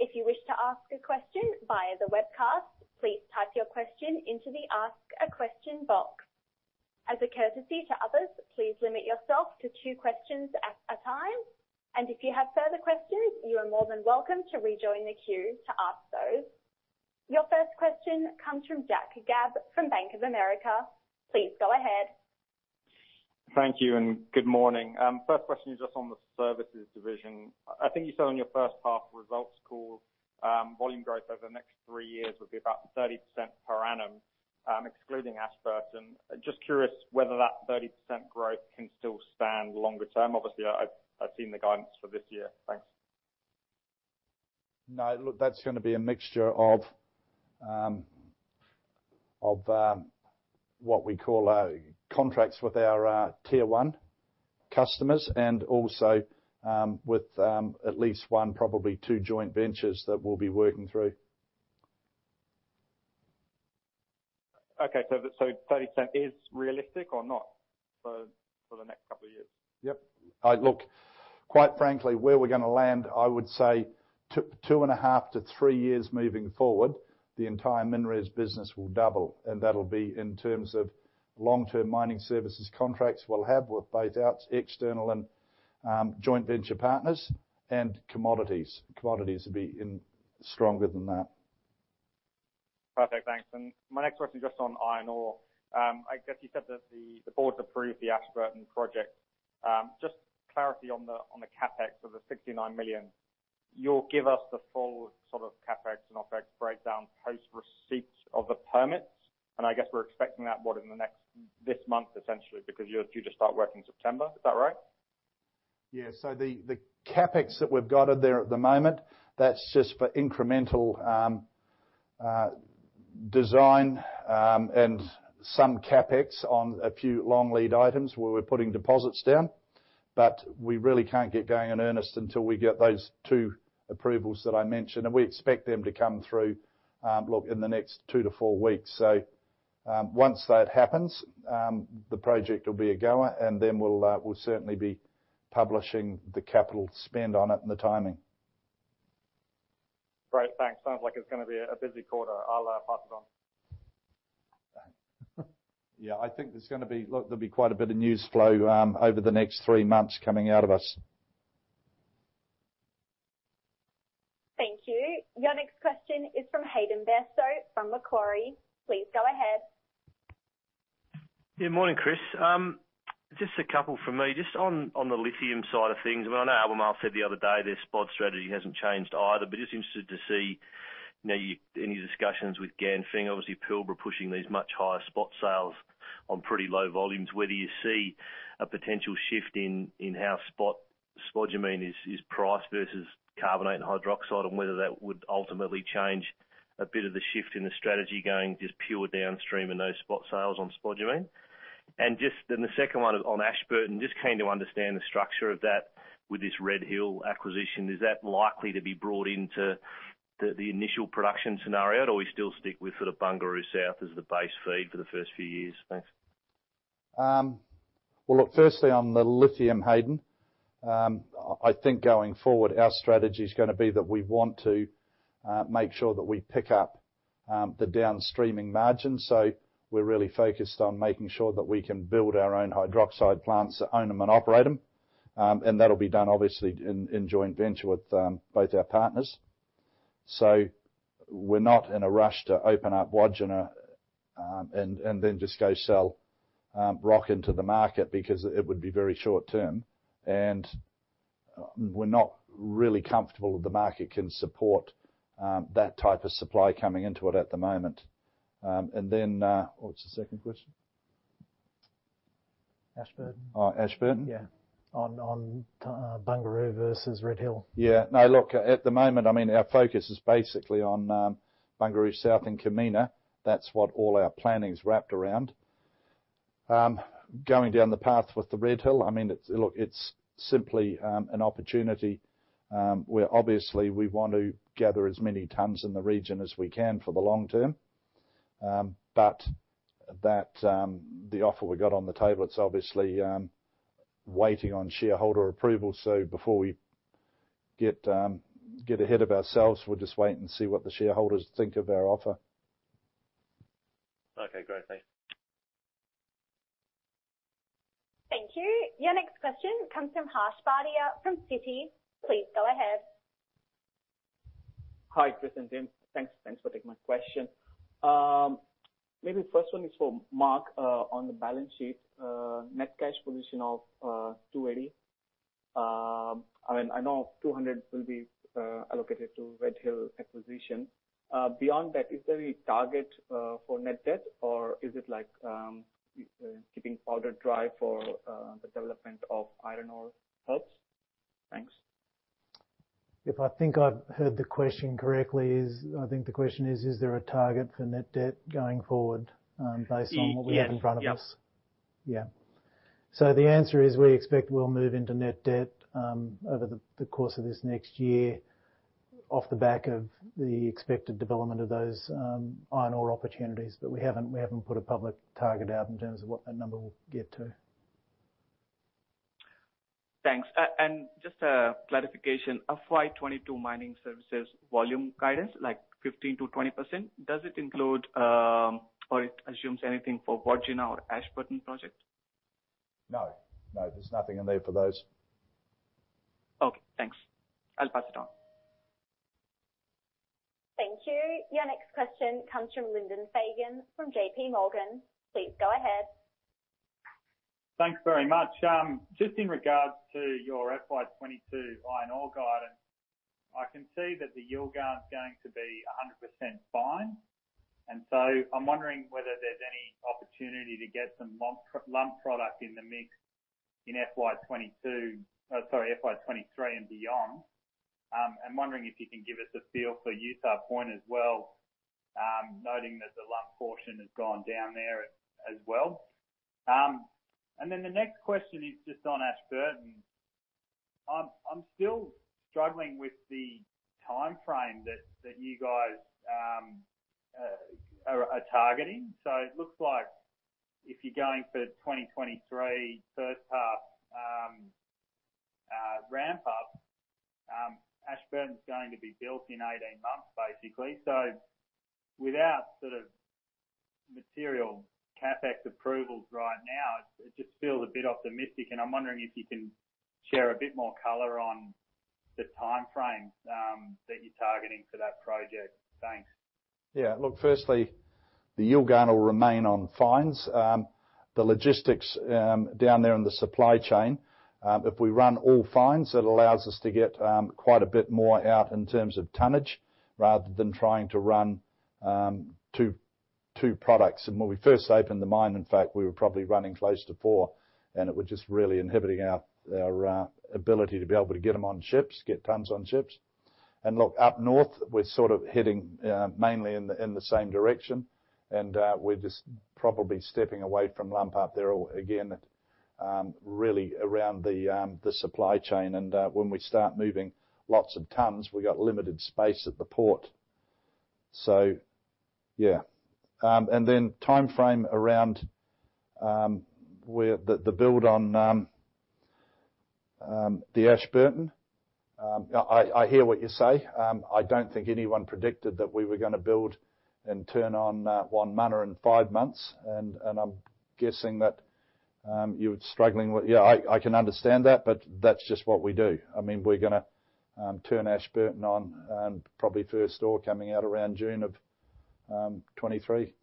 If you wish to ask a question via the webcast, please type your question into the ask a question box. As a courtesy to others, please limit yourself to two questions at a time. If you have further questions, you are more than welcome to rejoin the queue to ask those. Your first question comes from Jack Gabb from Bank of America. Please go ahead. Thank you and good morning. First question is just on the services division. I think you said on your first half results call, volume growth over the next three years would be about 30% per annum, excluding Ashburton. Just curious whether that 30% growth can still stand longer term. Obviously, I've seen the guidance for this year. Thanks. No, look, that's going to be a mixture of what we call our contracts with our tier 1 customers and also with at least one, probably two joint ventures that we'll be working through. Okay. Is 30% realistic or not for the next couple of years? Yep. Look, quite frankly, where we're going to land, I would say two and a half to three years moving forward, the entire MinRes business will double. That'll be in terms of long-term mining services contracts we'll have with both our external and joint venture partners and commodities. Commodities will be even stronger than that. Perfect, thanks. My next question is just on iron ore. I guess you said that the board's approved the Ashburton project. Just clarity on the CapEx of the 69 million. You'll give us the full sort of CapEx and OpEx breakdown post-receipt of the permits, I guess we're expecting that, what, in this month, essentially, because you're due to start work in September. Is that right? Yeah. The CapEx that we've got there at the moment, that's just for incremental design, and some CapEx on a few long lead items where we're putting deposits down. We really can't get going in earnest until we get those two approvals that I mentioned, and we expect them to come through, look, in the next two to four weeks. Once that happens, the project will be a goer, and then we'll certainly be publishing the capital spend on it and the timing. Great, thanks. Sounds like it's going to be a busy quarter. I'll pass it on. Yeah, I think there's going to be quite a bit of news flow over the next three months coming out of us. Thank you. Your next question is from Hayden Bairstow from Macquarie. Please go ahead. Yeah, morning, Chris. Just a couple from me. Just on the lithium side of things, I know Albemarle said the other day their spot strategy hasn't changed either, but just interested to see any discussions with Ganfeng. Obviously, Pilbara pushing these much higher spot sales on pretty low volumes. Whether you see a potential shift in how spot spodumene is priced versus carbonate and hydroxide, and whether that would ultimately change a bit of the shift in the strategy going just pure downstream and no spot sales on spodumene. The second one on Ashburton, just keen to understand the structure of that with this Red Hill acquisition. Is that likely to be brought into the initial production scenario or are we still stick with the Bungaroo South as the base feed for the first few years? Thanks. Well, look, firstly on the lithium, Hayden Bairstow. I think going forward, our strategy is going to be that we want to make sure that we pick up the downstreaming margins. We're really focused on making sure that we can build our own hydroxide plants, own them, and operate them. That'll be done obviously in joint venture with both our partners. We're not in a rush to open up Wodgina, and then just go sell rock into the market because it would be very short-term, and we're not really comfortable that the market can support that type of supply coming into it at the moment. What's the second question? Ashburton. Ashburton? Yeah. On Bungaroo versus Red Hill. No, look, at the moment, our focus is basically on Bungaroo South and Kumina. That's what all our planning's wrapped around. Going down the path with the Red Hill, it's simply an opportunity where obviously we want to gather as many tons in the region as we can for the long term. The offer we got on the table, it's obviously waiting on shareholder approval. Get ahead of ourselves. We'll just wait and see what the shareholders think of our offer. Okay, great. Thanks. Thank you. Your next question comes from Harsh Bardia from Citi. Please go ahead. Hi, Chris and team. Thanks for taking my question. The first one is for Mark on the balance sheet, net cash position of 280. I know 200 will be allocated to Red Hill acquisition. Beyond that, is there a target for net debt or is it like keeping powder dry for the development of iron ore hubs? Thanks. If I think I've heard the question correctly is, I think the question is there a target for net debt going forward based on what we have in front of us? Yes. Yeah. The answer is we expect we'll move into net debt over the course of this next year off the back of the expected development of those iron ore opportunities. We haven't put a public target out in terms of what that number will get to. Thanks. Just a clarification. FY 2022 mining services volume guidance, like 15%-20%. Does it include, or it assumes anything for Wodgina or Ashburton project? No. There's nothing in there for those. Okay, thanks. I'll pass it on. Thank you. Your next question comes from Lyndon Fagan from JPMorgan. Please go ahead. Thanks very much. Just in regards to your FY 2022 iron ore guidance, I can see that the Yilgarn is going to be 100% fine. I'm wondering whether there's any opportunity to get some lump product in the mix in FY 2022, sorry, FY 2023 and beyond. I'm wondering if you can give us a feel for Utah Point as well, noting that the lump portion has gone down there as well. The next question is just on Ashburton. I'm still struggling with the timeframe that you guys are targeting. It looks like if you're going for 2023 first half ramp up, Ashburton is going to be built in 18 months, basically. Without material CapEx approvals right now, it just feels a bit optimistic, and I'm wondering if you can share a bit more color on the timeframe that you're targeting for that project. Thanks. Look, firstly, the Yilgarn will remain on fines. The logistics down there in the supply chain, if we run all fines, it allows us to get quite a bit more out in terms of tonnage rather than trying to run two products. When we first opened the mine, in fact, we were probably running close to four, and it was just really inhibiting our ability to be able to get them on ships, get tons on ships. Look, up north, we're sort of heading mainly in the same direction, and we're just probably stepping away from lump up there again, really around the supply chain. When we start moving lots of tons, we got limited space at the port. Then timeframe around the build on the Ashburton. I hear what you say. I don't think anyone predicted that we were going to build and turn on Wonmunna in five months, and I'm guessing that you're struggling with Yeah, I can understand that, but that's just what we do. I mean, we're going to turn Ashburton on and probably first ore coming out around June of 2023.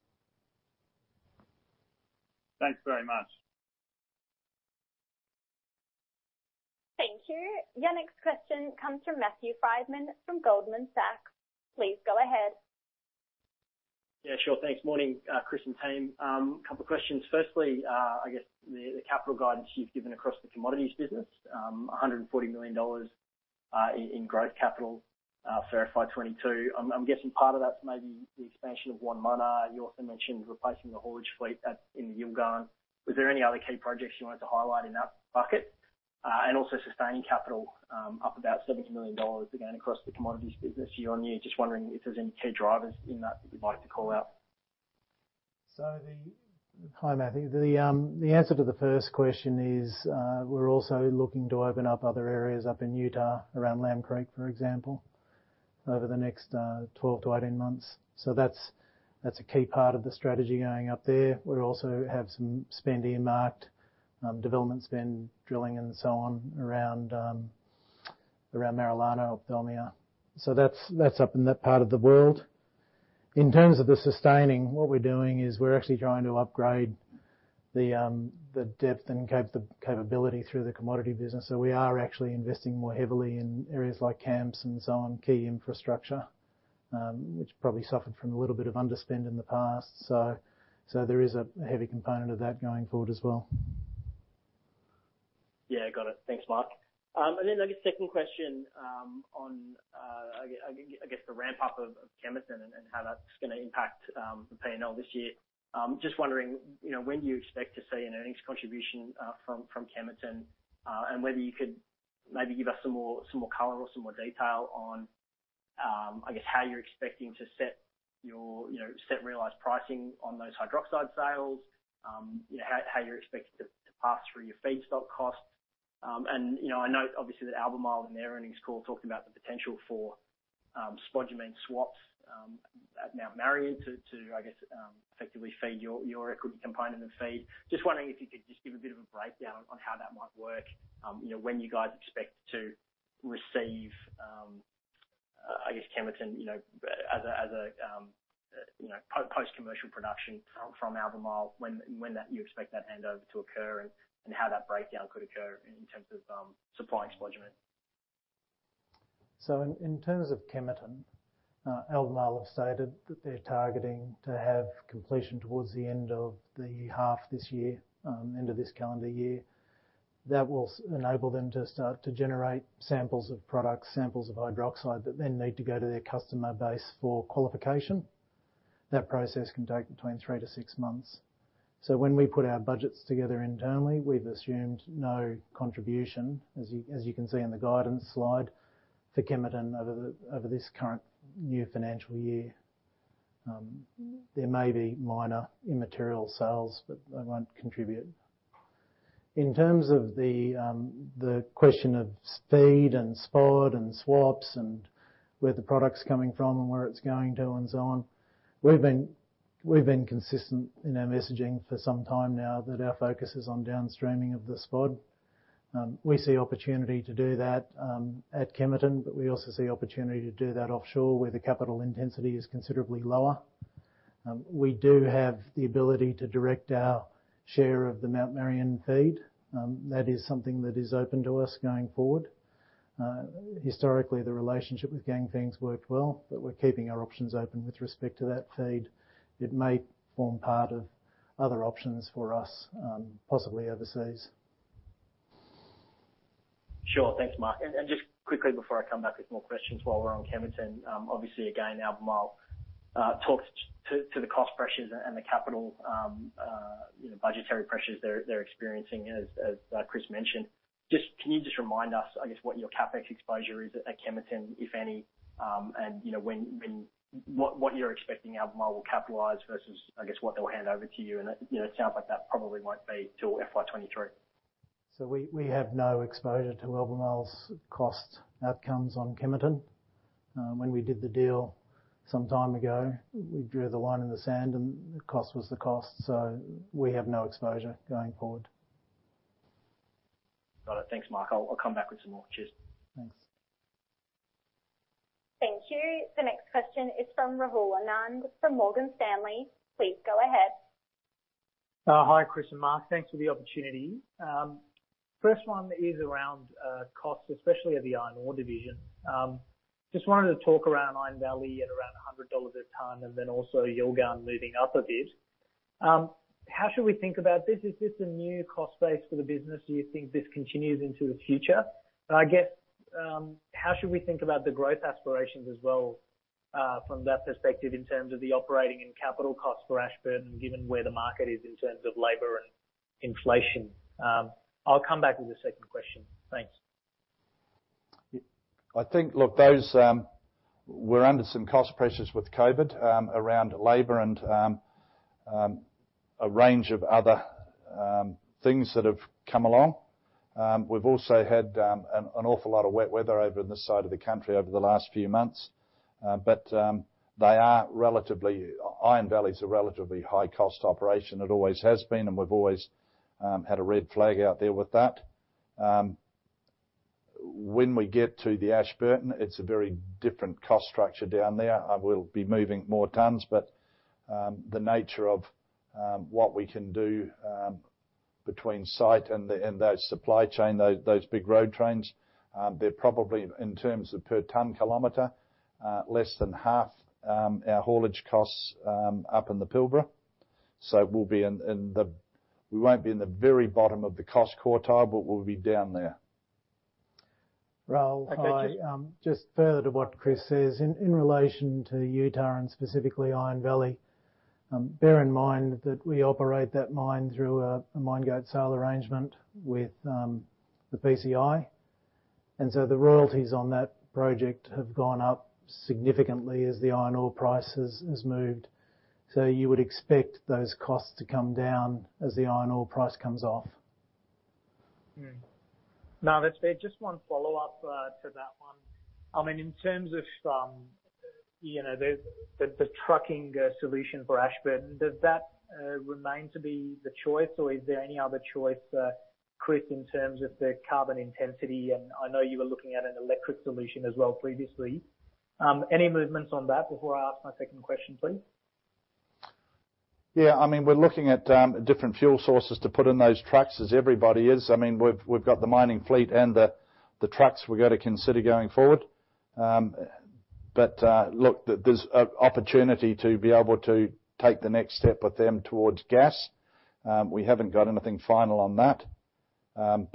Thanks very much. Thank you. Your next question comes from Matthew Frydman from Goldman Sachs. Please go ahead. Yeah, sure. Thanks. Morning, Chris and team. A couple of questions. Firstly, I guess the capital guidance you've given across the commodities business, 140 million dollars in growth capital for FY 2022. I'm guessing part of that's maybe the expansion of Wonmunna. You also mentioned replacing the haulage fleet at Yilgarn. Was there any other key projects you wanted to highlight in that bucket? Also sustaining capital up about 70 million dollars again across the commodities business year-on-year. Just wondering if there's any key drivers in that that you'd like to call out. Hi, Matthew. The answer to the first question is we're also looking to open up other areas up in Utah around Lamb Creek, for example, over the next 12-18 months. So that's a key part of the strategy going up there. We also have some spend earmarked, development spend, drilling and so on around Marillana or Ophthalmia. So that's up in that part of the world. In terms of the sustaining, what we're doing is we're actually trying to upgrade the depth and capability through the commodity business. So we are actually investing more heavily in areas like camps and so on, key infrastructure, which probably suffered from a little bit of underspend in the past. So there is a heavy component of that going forward as well. Yeah, got it. Thanks, Mark. I guess second question on, I guess the ramp up of Kemerton and how that's going to impact the P&L this year. Just wondering when you expect to see an earnings contribution from Kemerton, and whether you could maybe give us some more color or some more detail on, I guess, how you're expecting to set realized pricing on those hydroxide sales. How you're expecting to pass through your feedstock costs. I know obviously that Albemarle in their earnings call talked about the potential for spodumene swaps at Mt Marion to, I guess, effectively feed your equity component of the feed. Just wondering if you could just give a bit of a breakdown on how that might work. When you guys expect to receive Kemerton, as a post commercial production from Albemarle. When you expect that handover to occur and how that breakdown could occur in terms of supplying spodumene? In terms of Kemerton, Albemarle have stated that they're targeting to have completion towards the end of the half this year, end of this calendar year. That will enable them to start to generate samples of products, samples of hydroxide that then need to go to their customer base for qualification. That process can take between three to six months. When we put our budgets together internally, we've assumed no contribution, as you can see on the guidance slide, for Kemerton over this current new financial year. There may be minor immaterial sales, but they won't contribute. In terms of the question of FEED and SPOD and swaps and where the product's coming from and where it's going to and so on, we've been consistent in our messaging for some time now that our focus is on downstreaming of the SPOD. We see opportunity to do that, at Kemerton, but we also see opportunity to do that offshore where the capital intensity is considerably lower. We do have the ability to direct our share of the Mount Marion feed. That is something that is open to us going forward. Historically, the relationship with Ganfeng's worked well, but we're keeping our options open with respect to that feed. It may form part of other options for us, possibly overseas. Sure. Thanks, Mark. Just quickly before I come back with more questions while we're on Kemerton. Obviously again, Albemarle talked to the cost pressures and the capital budgetary pressures they're experiencing as Chris mentioned. Can you just remind us, I guess, what your CapEx exposure is at Kemerton, if any, and what you're expecting Albemarle will capitalize versus, I guess, what they'll hand over to you? It sounds like that probably won't be till FY 2023. We have no exposure to Albemarle's cost outcomes on Kemerton. When we did the deal some time ago, we drew the line in the sand and the cost was the cost. We have no exposure going forward. Got it. Thanks, Mark. I'll come back with some more. Cheers. Thanks. Thank you. The next question is from Rahul Anand from Morgan Stanley. Please go ahead. Hi, Chris and Mark. Thanks for the opportunity. First one is around costs, especially at the iron ore division. Just wanted to talk around Iron Valley at around 100 dollars a ton and then also Yilgarn moving up a bit. How should we think about this? Is this a new cost base for the business? Do you think this continues into the future? I guess, how should we think about the growth aspirations as well, from that perspective in terms of the operating and capital costs for Ashburton, given where the market is in terms of labor and inflation? I'll come back with a second question. Thanks. I think, look, we're under some cost pressures with COVID, around labor and a range of other things that have come along. We've also had an awful lot of wet weather over in this side of the country over the last few months. Iron Valley's a relatively high-cost operation. It always has been, and we've always had a red flag out there with that. When we get to the Ashburton, it's a very different cost structure down there. We'll be moving more tons, but the nature of what we can do between site and those supply chain, those big road trains, they're probably, in terms of per ton kilometer, less than half our haulage costs up in the Pilbara. We won't be in the very bottom of the cost quartile, but we'll be down there. Rahul, hi. Thank you. Just further to what Chris says, in relation to Utah Point and specifically Iron Valley, bear in mind that we operate that mine through a mine gate sale arrangement with the BCI. The royalties on that project have gone up significantly as the iron ore price has moved. You would expect those costs to come down as the iron ore price comes off. That's fair. Just one follow-up to that one. In terms of the trucking solution for Ashburton, does that remain to be the choice or is there any other choice, Chris, in terms of the carbon intensity? I know you were looking at an electric solution as well previously. Any movements on that before I ask my second question, please? Yeah. We're looking at different fuel sources to put in those trucks as everybody is. We've got the mining fleet and the trucks we've got to consider going forward. Look, there's an opportunity to be able to take the next step with them towards gas. We haven't got anything final on that.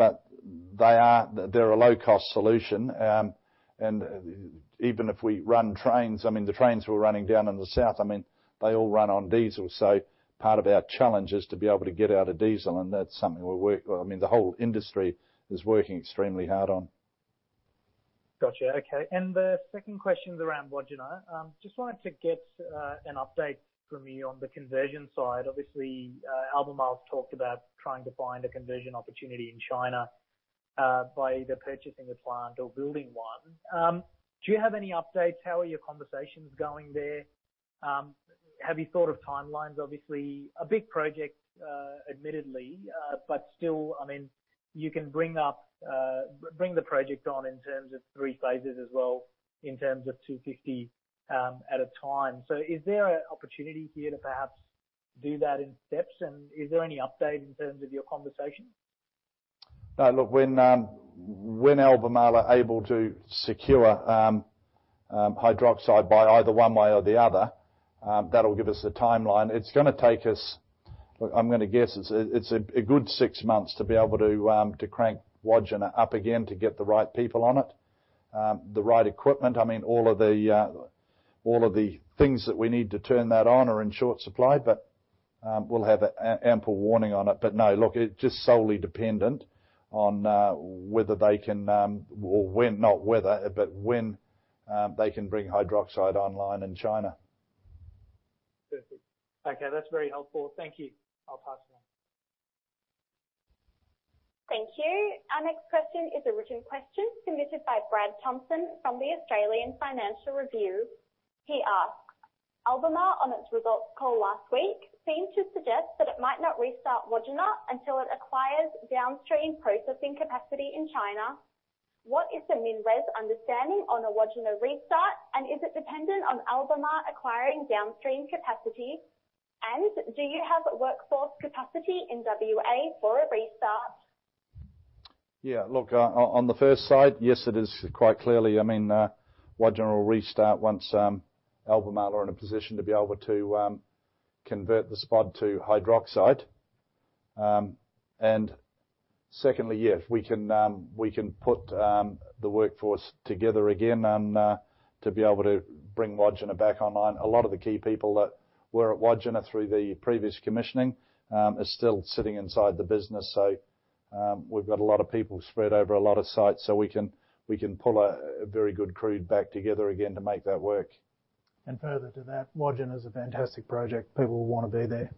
They're a low-cost solution. Even if we run trains, the trains we're running down in the south, they all run on diesel. Part of our challenge is to be able to get out of diesel, and that's something the whole industry is working extremely hard on. Gotcha. Okay. The second question is around Wodgina. Just wanted to get an update from you on the conversion side. Obviously, Albemarle's talked about trying to find a conversion opportunity in China, by either purchasing a plant or building one. Do you have any updates? How are your conversations going there? Have you thought of timelines? Obviously, a big project, admittedly. Still, you can bring the project on in terms of three phases as well, in terms of 250 at a time. Is there an opportunity here to perhaps do that in steps and is there any update in terms of your conversation? Look, when Albemarle are able to secure hydroxide by either one way or the other, that'll give us the timeline. It's going to take us, look, I'm going to guess, it's a good six months to be able to crank Wodgina up again to get the right people on it, the right equipment. All of the things that we need to turn that on are in short supply. We'll have ample warning on it. No, look, it's just solely dependent on whether they can, or when, not whether, but when they can bring hydroxide online in China. Perfect. Okay. That's very helpful. Thank you. I'll pass on. Thank you. Our next question is a written question submitted by Brad Thompson from the Australian Financial Review. He asks: Albemarle on its results call last week seemed to suggest that it might not restart Wodgina until it acquires downstream processing capacity in China. What is the MinRes understanding on a Wodgina restart, and is it dependent on Albemarle acquiring downstream capacity? Do you have workforce capacity in WA for a restart? Yeah. On the first side, yes, it is quite clearly. Wodgina will restart once Albemarle are in a position to be able to convert the SPOD to hydroxide. Secondly, yes, we can put the workforce together again and to be able to bring Wodgina back online. A lot of the key people that were at Wodgina through the previous commissioning, are still sitting inside the business. We've got a lot of people spread over a lot of sites, so we can pull a very good crew back together again to make that work. Further to that, Wodgina is a fantastic project. People will want to be there.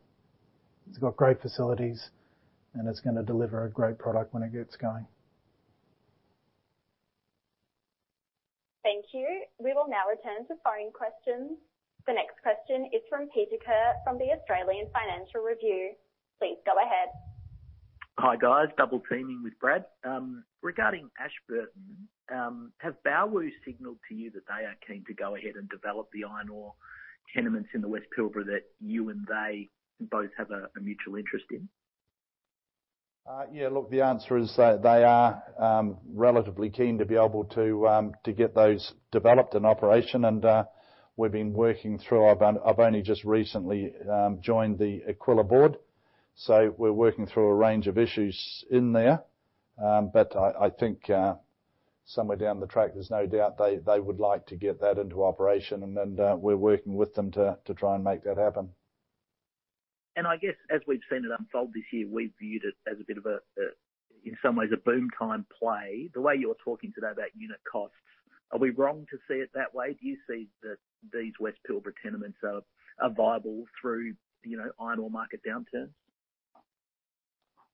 It's got great facilities, and it's going to deliver a great product when it gets going. Thank you. We will now return to phone questions. The next question is from Peter Ker from The Australian Financial Review. Please go ahead. Hi, guys. Double teaming with Brad. Regarding Ashburton, have Baowu signaled to you that they are keen to go ahead and develop the iron ore tenements in the West Pilbara that you and they both have a mutual interest in? Yeah, look, the answer is they are relatively keen to be able to get those developed in operation and, we've been working through. I've only just recently joined the Aquila board. We're working through a range of issues in there. I think somewhere down the track, there's no doubt they would like to get that into operation and we're working with them to try and make that happen. I guess as we've seen it unfold this year, we viewed it as a bit of a, in some ways, a boom time play. The way you're talking today about unit costs, are we wrong to see it that way? Do you see that these West Pilbara tenements are viable through iron ore market downturn?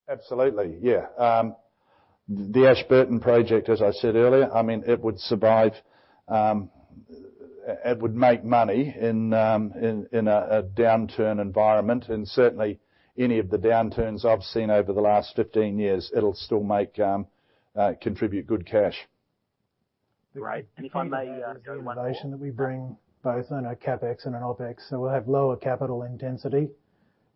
Absolutely. Yeah. The Ashburton project, as I said earlier, it would survive. It would make money in a downturn environment. Certainly any of the downturns I've seen over the last 15 years, it'll still contribute good cash. Great. If I may. Innovation that we bring both on a CapEx and an OpEx. We'll have lower capital intensity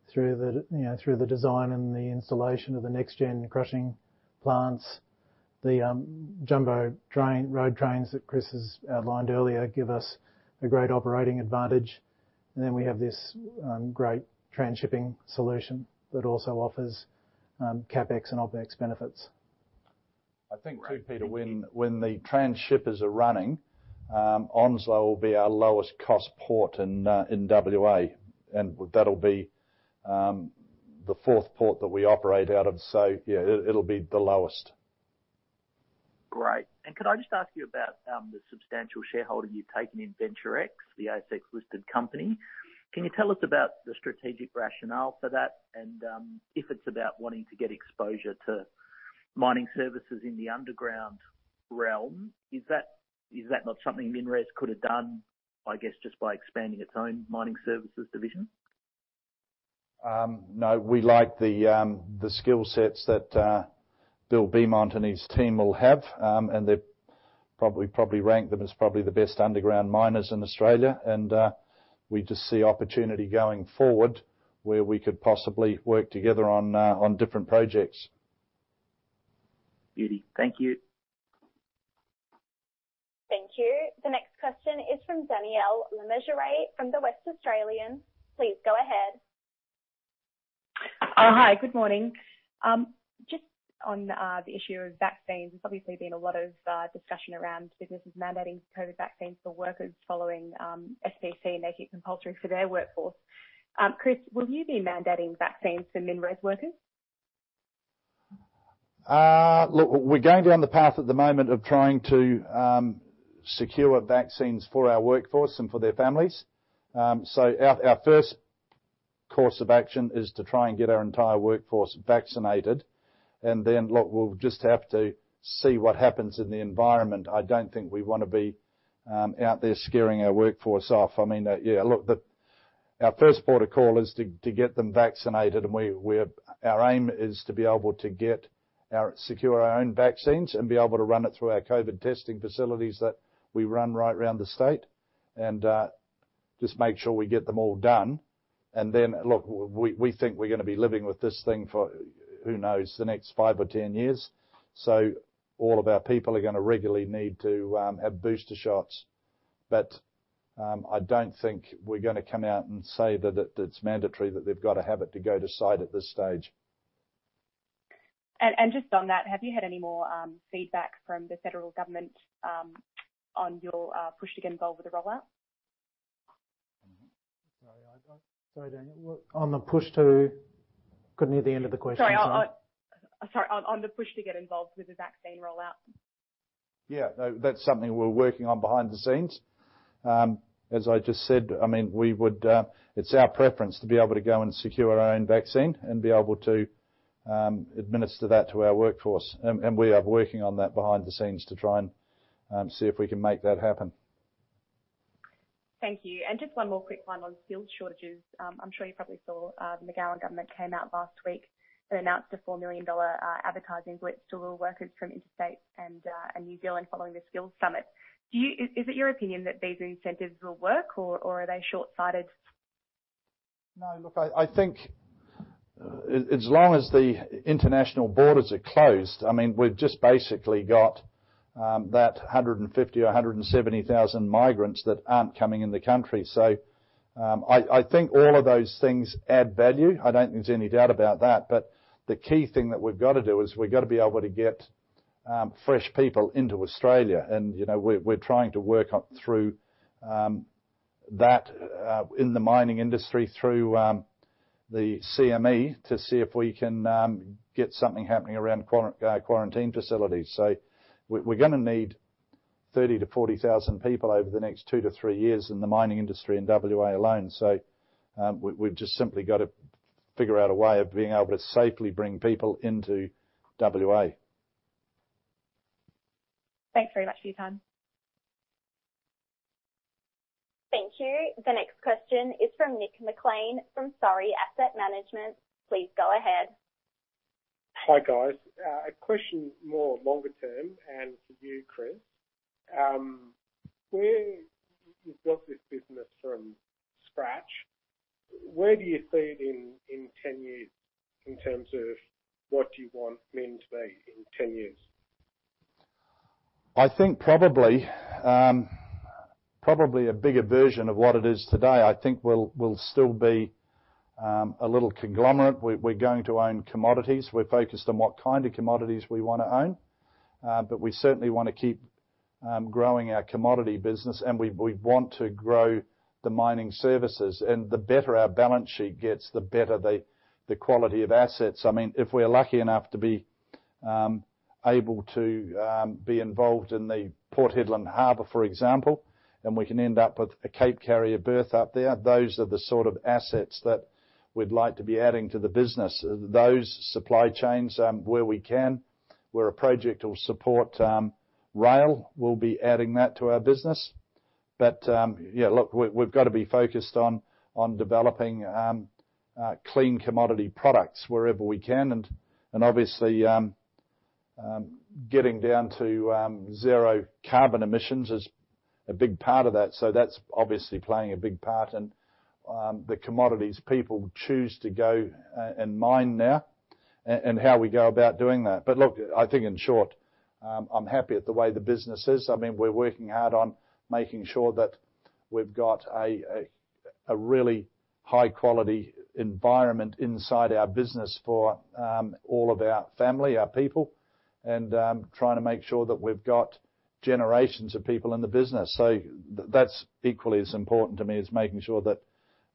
through the design and the installation of the next-gen crushing plants. The jumbo road trains that Chris has outlined earlier give us a great operating advantage. We have this great transhipping solution that also offers CapEx and OpEx benefits. I think too, Peter, when the transshippers are running, Onslow will be our lowest cost port in WA, and that'll be the fourth port that we operate out of. Yeah, it'll be the lowest. Great. Could I just ask you about the substantial shareholding you've taken in Venturex, the ASX listed company. Can you tell us about the strategic rationale for that and if it's about wanting to get exposure to mining services in the underground realm, is that not something MinRes could have done, I guess, just by expanding its own mining services division? No. We like the skill sets that Bill Beament and his team will have. They probably rank them as probably the best underground miners in Australia. We just see opportunity going forward where we could possibly work together on different projects. Beauty. Thank you. Thank you. The next question is from Danielle Le Messurier from The West Australian. Please go ahead. Hi. Good morning. Just on the issue of vaccines, there's obviously been a lot of discussion around businesses mandating COVID vaccines for workers following SPC making it compulsory for their workforce. Chris, will you be mandating vaccines for MinRes workers? Look, we're going down the path at the moment of trying to secure vaccines for our workforce and for their families. Our first course of action is to try and get our entire workforce vaccinated, and then, look, we'll just have to see what happens in the environment. I don't think we want to be out there scaring our workforce off. I mean, yeah, look, our first port of call is to get them vaccinated, and our aim is to be able to secure our own vaccines and be able to run it through our COVID testing facilities that we run right around the state, and just make sure we get them all done. Look, we think we're going to be living with this thing for, who knows, the next five or 10 years. All of our people are going to regularly need to have booster shots. I don't think we're going to come out and say that it's mandatory, that they've got to have it to go to site at this stage. Just on that, have you had any more feedback from the federal government on your push to get involved with the rollout? Sorry, Daniel, on the push to? Couldn't hear the end of the question. Sorry. On the push to get involved with the vaccine rollout. Yeah. No, that's something we're working on behind the scenes. As I just said, it's our preference to be able to go and secure our own vaccine and be able to administer that to our workforce. We are working on that behind the scenes to try and see if we can make that happen. Thank you. Just one more quick one on skills shortages. I am sure you probably saw the McGowan government came out last week and announced an 4 million dollar advertising blitz to lure workers from interstate and New Zealand following the skills summit. Is it your opinion that these incentives will work, or are they short-sighted? No, look, I think as long as the international borders are closed, we've just basically got that 150 or 170,000 migrants that aren't coming in the country. I think all of those things add value. I don't think there's any doubt about that. The key thing that we've got to do is we've got to be able to get fresh people into Australia. We're trying to work through that in the mining industry through the CME to see if we can get something happening around quarantine facilities. We're gonna need 30 to 40,000 people over the next two to three years in the mining industry in WA alone. We've just simply got to figure out a way of being able to safely bring people into WA. Thanks very much for your time. Thank you. The next question is from Nick Maclean from Surrey Asset Management. Please go ahead. Hi, guys. A question more longer term and to you, Chris. You've built this business from scratch. Where do you see it in 10 years in terms of what you want MIN to be in 10 years? I think probably a bigger version of what it is today. I think we'll still be a little conglomerate. We're going to own commodities. We're focused on what kind of commodities we want to own. We certainly want to keep growing our commodity business, and we want to grow the mining services. The better our balance sheet gets, the better the quality of assets. If we're lucky enough to be able to be involved in the Port Hedland harbor, for example, and we can end up with a Cape carrier berth up there, those are the sort of assets that we'd like to be adding to the business. Those supply chains where we can, where a project will support rail, we'll be adding that to our business. Yeah, look, we've got to be focused on developing clean commodity products wherever we can and obviously, getting down to zero carbon emissions is a big part of that. That's obviously playing a big part in the commodities people choose to go and mine now and how we go about doing that. Look, I think in short, I'm happy at the way the business is. We're working hard on making sure that we've got a really high-quality environment inside our business for all of our family, our people, and trying to make sure that we've got generations of people in the business. That's equally as important to me as making sure that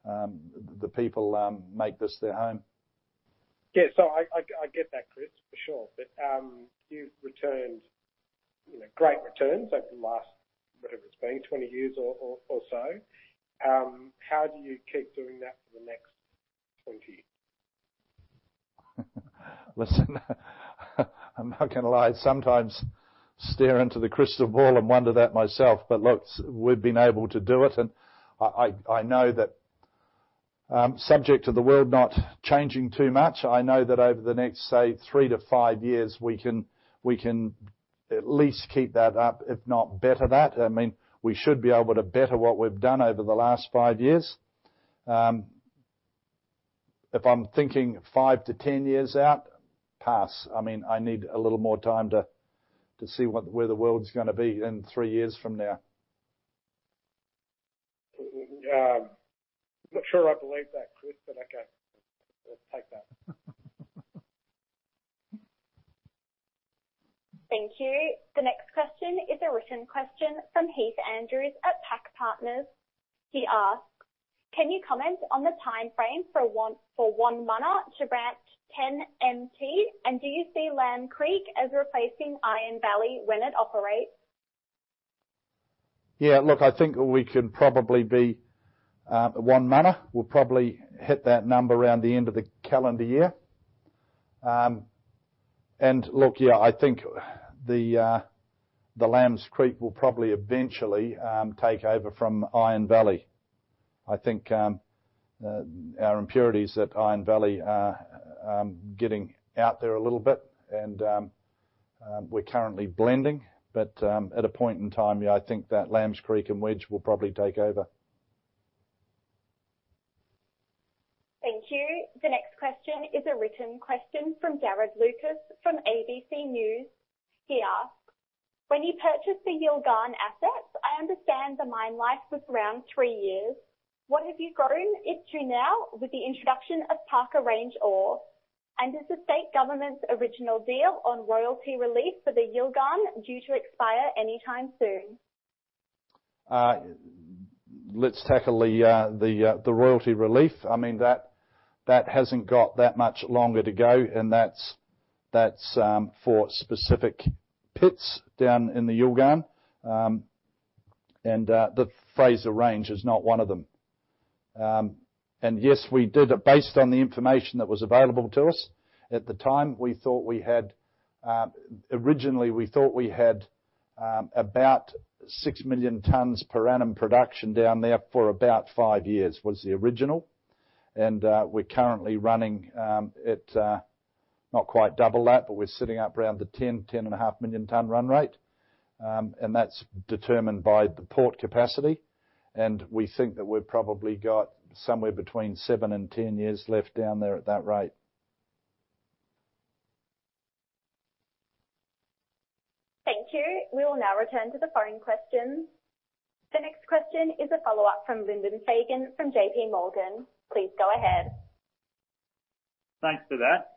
the people make this their home. Yeah. I get that, Chris, for sure. You've returned great returns over the last, whatever it's been, 20 years or so. How do you keep doing that for the next 20 years? Listen, I'm not gonna lie. I sometimes stare into the crystal ball and wonder that myself. Look, we've been able to do it, and I know that subject to the world not changing too much, I know that over the next, say, three to five years, we can at least keep that up, if not better that. We should be able to better what we've done over the last five years. If I'm thinking 5-10 years out, pass. I need a little more time to see where the world's gonna be in three years from now. I'm not sure I believe that, Chris, okay. Let's take that. Thank you. The next question is a written question from Heath Andrews at PAC Partners. He asks, "Can you comment on the time frame for Wonmunna to ramp 10 MT, and do you see Lambs Creek as replacing Iron Valley when it operates?" Yeah, look, I think Wonmunna will probably hit that number around the end of the calendar year. look, yeah, I think the Lambs Creek will probably eventually take over from Iron Valley. I think our impurities at Iron Valley are getting out there a little bit and we're currently blending. At a point in time, yeah, I think that Lambs Creek and Wedge will probably take over. Thank you. The next question is a written question from Darren Lucas from ABC News. He asks, "When you purchased the Yilgarn assets, I understand the mine life was around three years. What have you got in it through now with the introduction of Parker Range ore? Is the state government's original deal on royalty relief for the Yilgarn due to expire anytime soon?" Let's tackle the royalty relief. That hasn't got that much longer to go, and that's for specific pits down in the Yilgarn. The Fraser Range is not one of them. Yes, we did it based on the information that was available to us. At the time, originally we thought we had about 6 million tons per annum production down there for about five years, was the original. We're currently running at, not quite double that, but we're sitting up around the 10.5 million ton run rate. That's determined by the port capacity. We think that we've probably got somewhere between seven and 10 years left down there at that rate. Thank you. We will now return to the foreign questions. The next question is a follow-up from Lyndon Fagan from JPMorgan. Please go ahead. Thanks for that.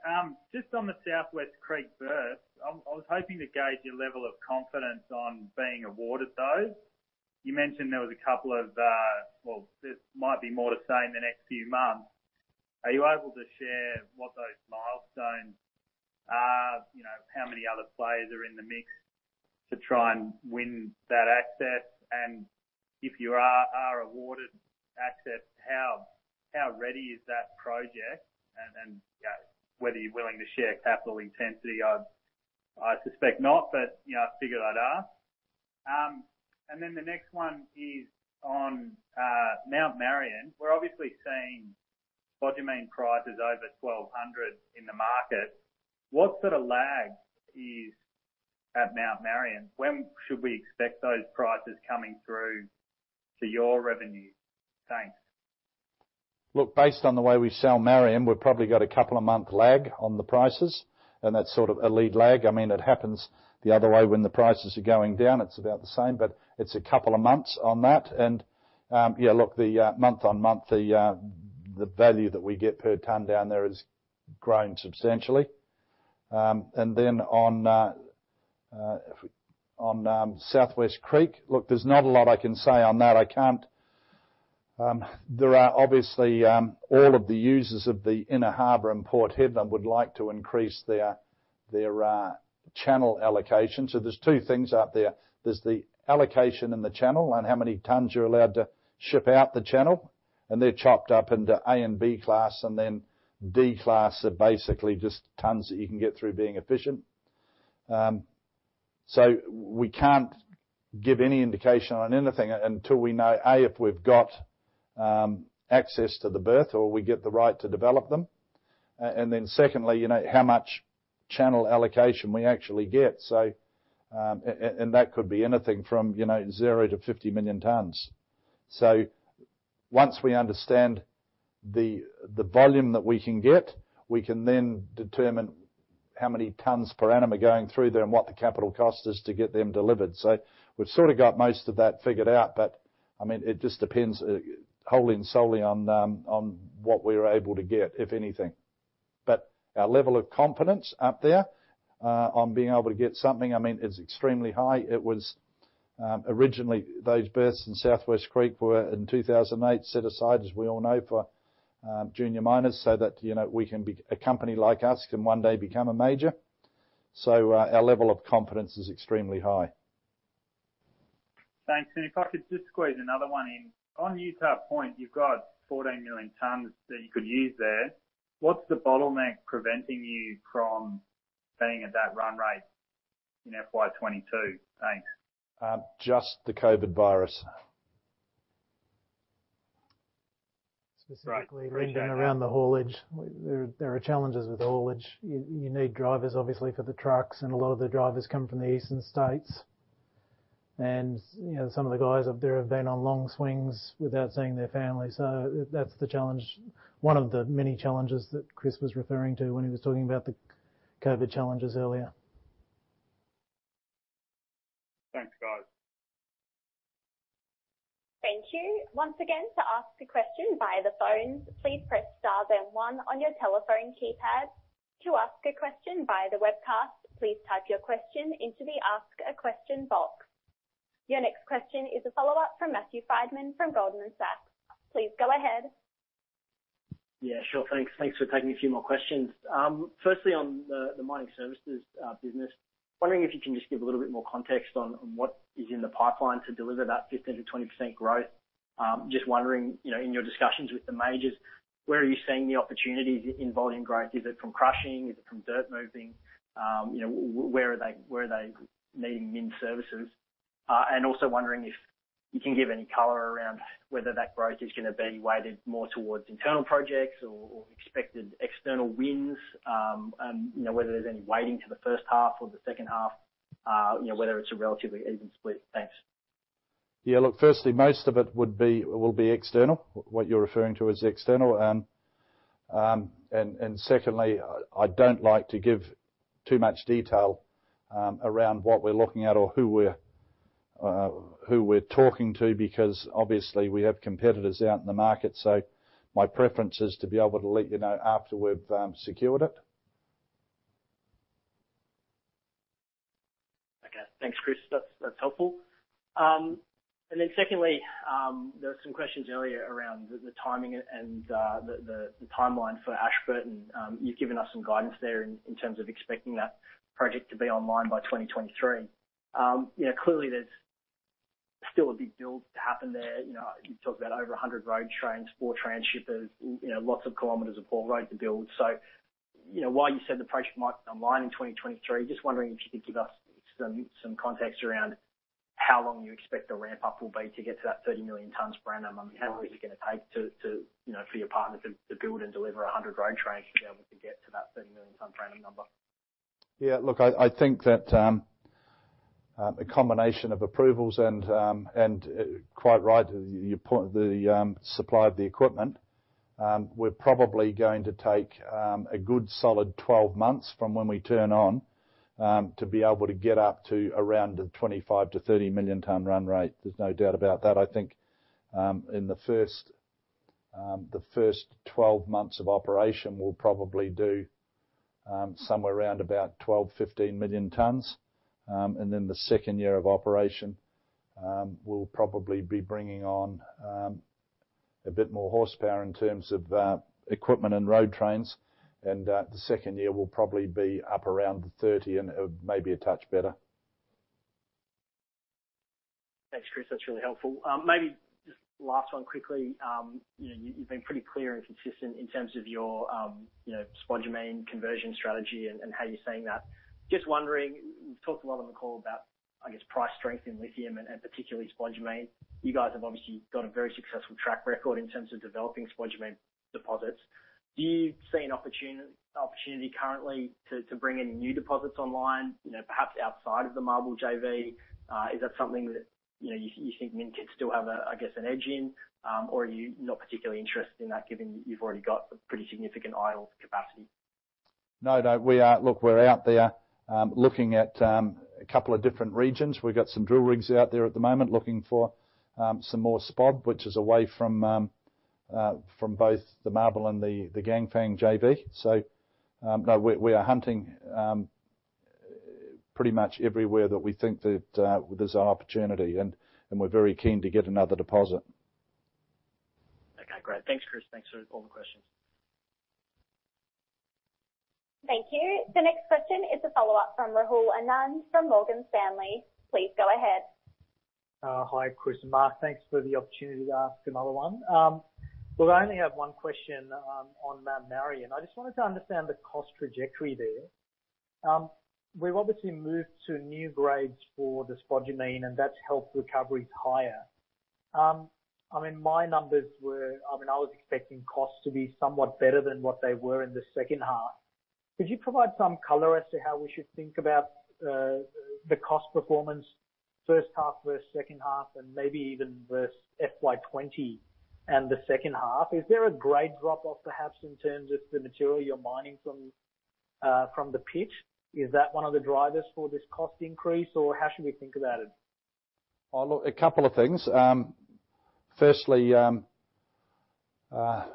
Just on the South West Creek berth, I was hoping to gauge your level of confidence on being awarded those. You mentioned there might be more to say in the next few months. Are you able to share what those milestones are? How many other players are in the mix to try and win that access? If you are awarded access, how ready is that project? Whether you are willing to share capital intensity, I suspect not, but I figured I'd ask. The next one is on Mount Marion. We are obviously seeing spodumene prices over 1,200 in the market. What sort of lag is at Mount Marion? When should we expect those prices coming through to your revenue? Thanks. Look, based on the way we sell Marion, we've probably got a couple of month lag on the prices. That's sort of a lead lag. It happens the other way when the prices are going down, it's about the same. It's a couple of months on that. Yeah, look, the month-on-month, the value that we get per ton down there has grown substantially. On South West Creek, look, there's not a lot I can say on that. Obviously, all of the users of the inner harbor in Port Hedland would like to increase their channel allocation. There's two things out there. There's the allocation in the channel on how many tons you're allowed to ship out the channel. They're chopped up into A and B class. D class are basically just tons that you can get through being efficient. We can't give any indication on anything until we know, A, if we've got access to the berth or we get the right to develop them. Secondly, how much channel allocation we actually get. That could be anything from 0-50 million tons. Once we understand the volume that we can get, we can then determine how many tons per annum are going through there and what the capital cost is to get them delivered. We've sort of got most of that figured out, but it just depends wholly and solely on what we're able to get, if anything. Our level of confidence out there, on being able to get something, is extremely high. Originally, those berths in South West Creek were in 2008, set aside, as we all know, for junior miners so that a company like us can one day become a major. Our level of confidence is extremely high. Thanks. If I could just squeeze another one in. On Utah Point, you've got 14 million tons that you could use there. What's the bottleneck preventing you from being at that run rate in FY 2022? Thanks. Just the COVID virus. Specifically around the haulage. There are challenges with haulage. You need drivers, obviously, for the trucks, and a lot of the drivers come from the eastern states. Some of the guys up there have been on long swings without seeing their families. That's the challenge. One of the many challenges that Chris was referring to when he was talking about the COVID challenges earlier. Thanks, guys. Thank you. Once again, to ask a question via the phone, please press star then one on your telephone keypad. To ask a question via the webcast, please type your question into the ask a question box. Your next question is a follow-up from Matthew Frydman from Goldman Sachs. Please go ahead. Yeah, sure. Thanks for taking a few more questions. Firstly, on the mining services business. Wondering if you can just give a little bit more context on what is in the pipeline to deliver that 15%-20% growth. Just wondering, in your discussions with the majors, where are you seeing the opportunities in volume growth? Is it from crushing, is it from dirt moving? Where are they needing MinRes services? Also wondering if you can give any color around whether that growth is going to be weighted more towards internal projects or expected external wins, and whether there's any weighting to the first half or the second half, whether it's a relatively even split. Thanks. Yeah, look, firstly, most of it will be external. What you're referring to is external. Secondly, I don't like to give too much detail around what we're looking at or who we're talking to because obviously we have competitors out in the market. My preference is to be able to let you know after we've secured it. Okay, thanks, Chris. Then secondly, there were some questions earlier around the timing and the timeline for Ashburton and you've given us some guidance there in terms of expecting that project to be online by 2023. Clearly, there's still a big build to happen there. You talked about over 100 road trains, four transhippers, lots of kilometers of railroad to build. While you said the project might be online in 2023, just wondering if you could give us some context around how long you expect the ramp-up will be to get to that 30 million tonnes per annum. I mean, how long is it going to take for your partner to build and deliver 100 road trains to be able to get to that 30 million tonnes random number? Yeah, look, I think that a combination of approvals and, quite right, the supply of the equipment. We're probably going to take a good solid 12 months from when we turn on to be able to get up to around the 25 million-30 million tonne run rate. There's no doubt about that. I think in the first 12 months of operation, we'll probably do somewhere around about 12 million-15 million tonnes. The second year of operation we'll probably be bringing on a bit more horsepower in terms of equipment and road trains. The second year we'll probably be up around the 30 and maybe a touch better. Thanks, Chris. That's really helpful. Maybe just last one quickly. You've been pretty clear and consistent in terms of your spodumene conversion strategy and how you're seeing that. Just wondering, you've talked a lot on the call about, I guess, price strength in lithium and particularly spodumene. You guys have obviously got a very successful track record in terms of developing spodumene deposits. Do you see an opportunity currently to bring any new deposits online, perhaps outside of the MARBL JV? Is that something that you think MinRes could still have, I guess, an edge in? Are you not particularly interested in that, given you've already got pretty significant idle capacity? No, look, we're out there looking at a couple of different regions. We've got some drill rigs out there at the moment looking for some more SPOD, which is away from both the MARBL and the Ganfeng JV. No, we are hunting pretty much everywhere that we think that there's an opportunity and we're very keen to get another deposit. Okay, great. Thanks, Chris. Thanks for all the questions. Thank you. The next question is a follow-up from Rahul Anand from Morgan Stanley. Please go ahead. Hi, Chris and Mark. Thanks for the opportunity to ask another one. Look, I only have one question on Mount Marion. I just wanted to understand the cost trajectory there. We've obviously moved to new grades for the spodumene, and that's helped recoveries higher. I was expecting costs to be somewhat better than what they were in the second half. Could you provide some color as to how we should think about the cost performance first half versus second half and maybe even versus FY 2020 and the second half? Is there a grade drop-off, perhaps, in terms of the material you're mining from the pit? Is that one of the drivers for this cost increase, or how should we think about it? A couple of things. Firstly, Mount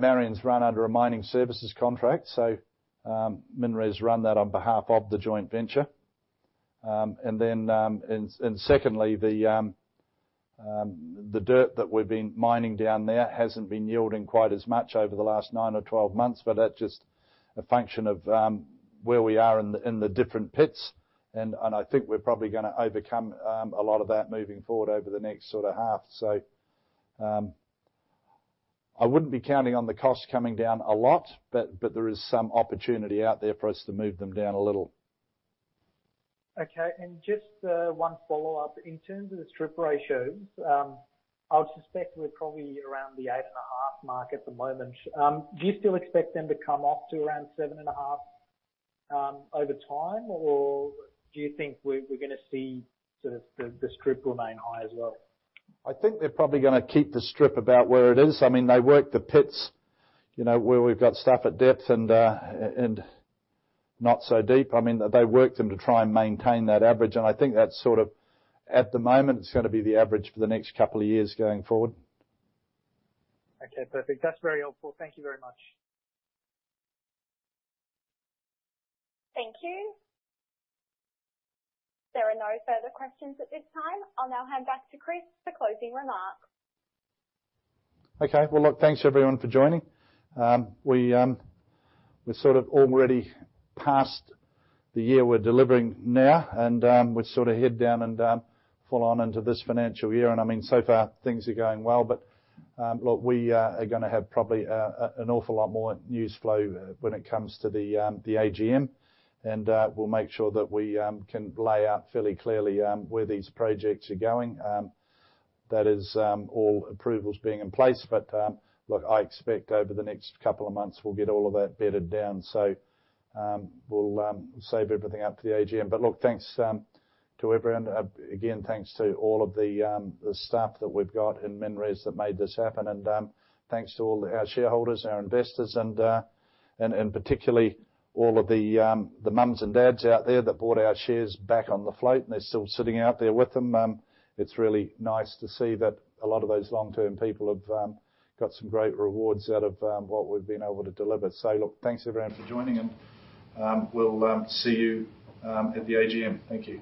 Marion's run under a mining services contract. MinRes run that on behalf of the joint venture. Secondly, the dirt that we've been mining down there hasn't been yielding quite as much over the last nine or 12 months, but that's just a function of where we are in the different pits, and I think we're probably going to overcome a lot of that moving forward over the next half. I wouldn't be counting on the cost coming down a lot, but there is some opportunity out there for us to move them down a little. Okay. Just one follow-up. In terms of the strip ratios, I would suspect we're probably around the 8.5 mark at the moment. Do you still expect them to come off to around 7.5 over time, or do you think we're going to see the strip remain high as well? I think they're probably going to keep the strip about where it is. They work the pits where we've got stuff at depth and not so deep. They work them to try and maintain that average. I think at the moment, it's going to be the average for the next couple of years going forward. Okay, perfect. That's very helpful. Thank you very much. Thank you. There are no further questions at this time. I'll now hand back to Chris for closing remarks. Okay. Well, look, thanks everyone for joining. We sort of already passed the year we're delivering now, and we're sort of head down and full on into this financial year. I mean, so far things are going well. Look, we are going to have probably an awful lot more news flow when it comes to the AGM, and we'll make sure that we can lay out fairly clearly where these projects are going. That is all approvals being in place. Look, I expect over the next couple of months, we'll get all of that bedded down. We'll save everything up for the AGM. Look, thanks to everyone. Again, thanks to all of the staff that we've got in MinRes that made this happen. Thanks to all our shareholders, our investors, and particularly all of the moms and dads out there that bought our shares back on the float, and they're still sitting out there with them. It's really nice to see that a lot of those long-term people have got some great rewards out of what we've been able to deliver. Look, thanks everyone for joining in. We'll see you at the AGM. Thank you.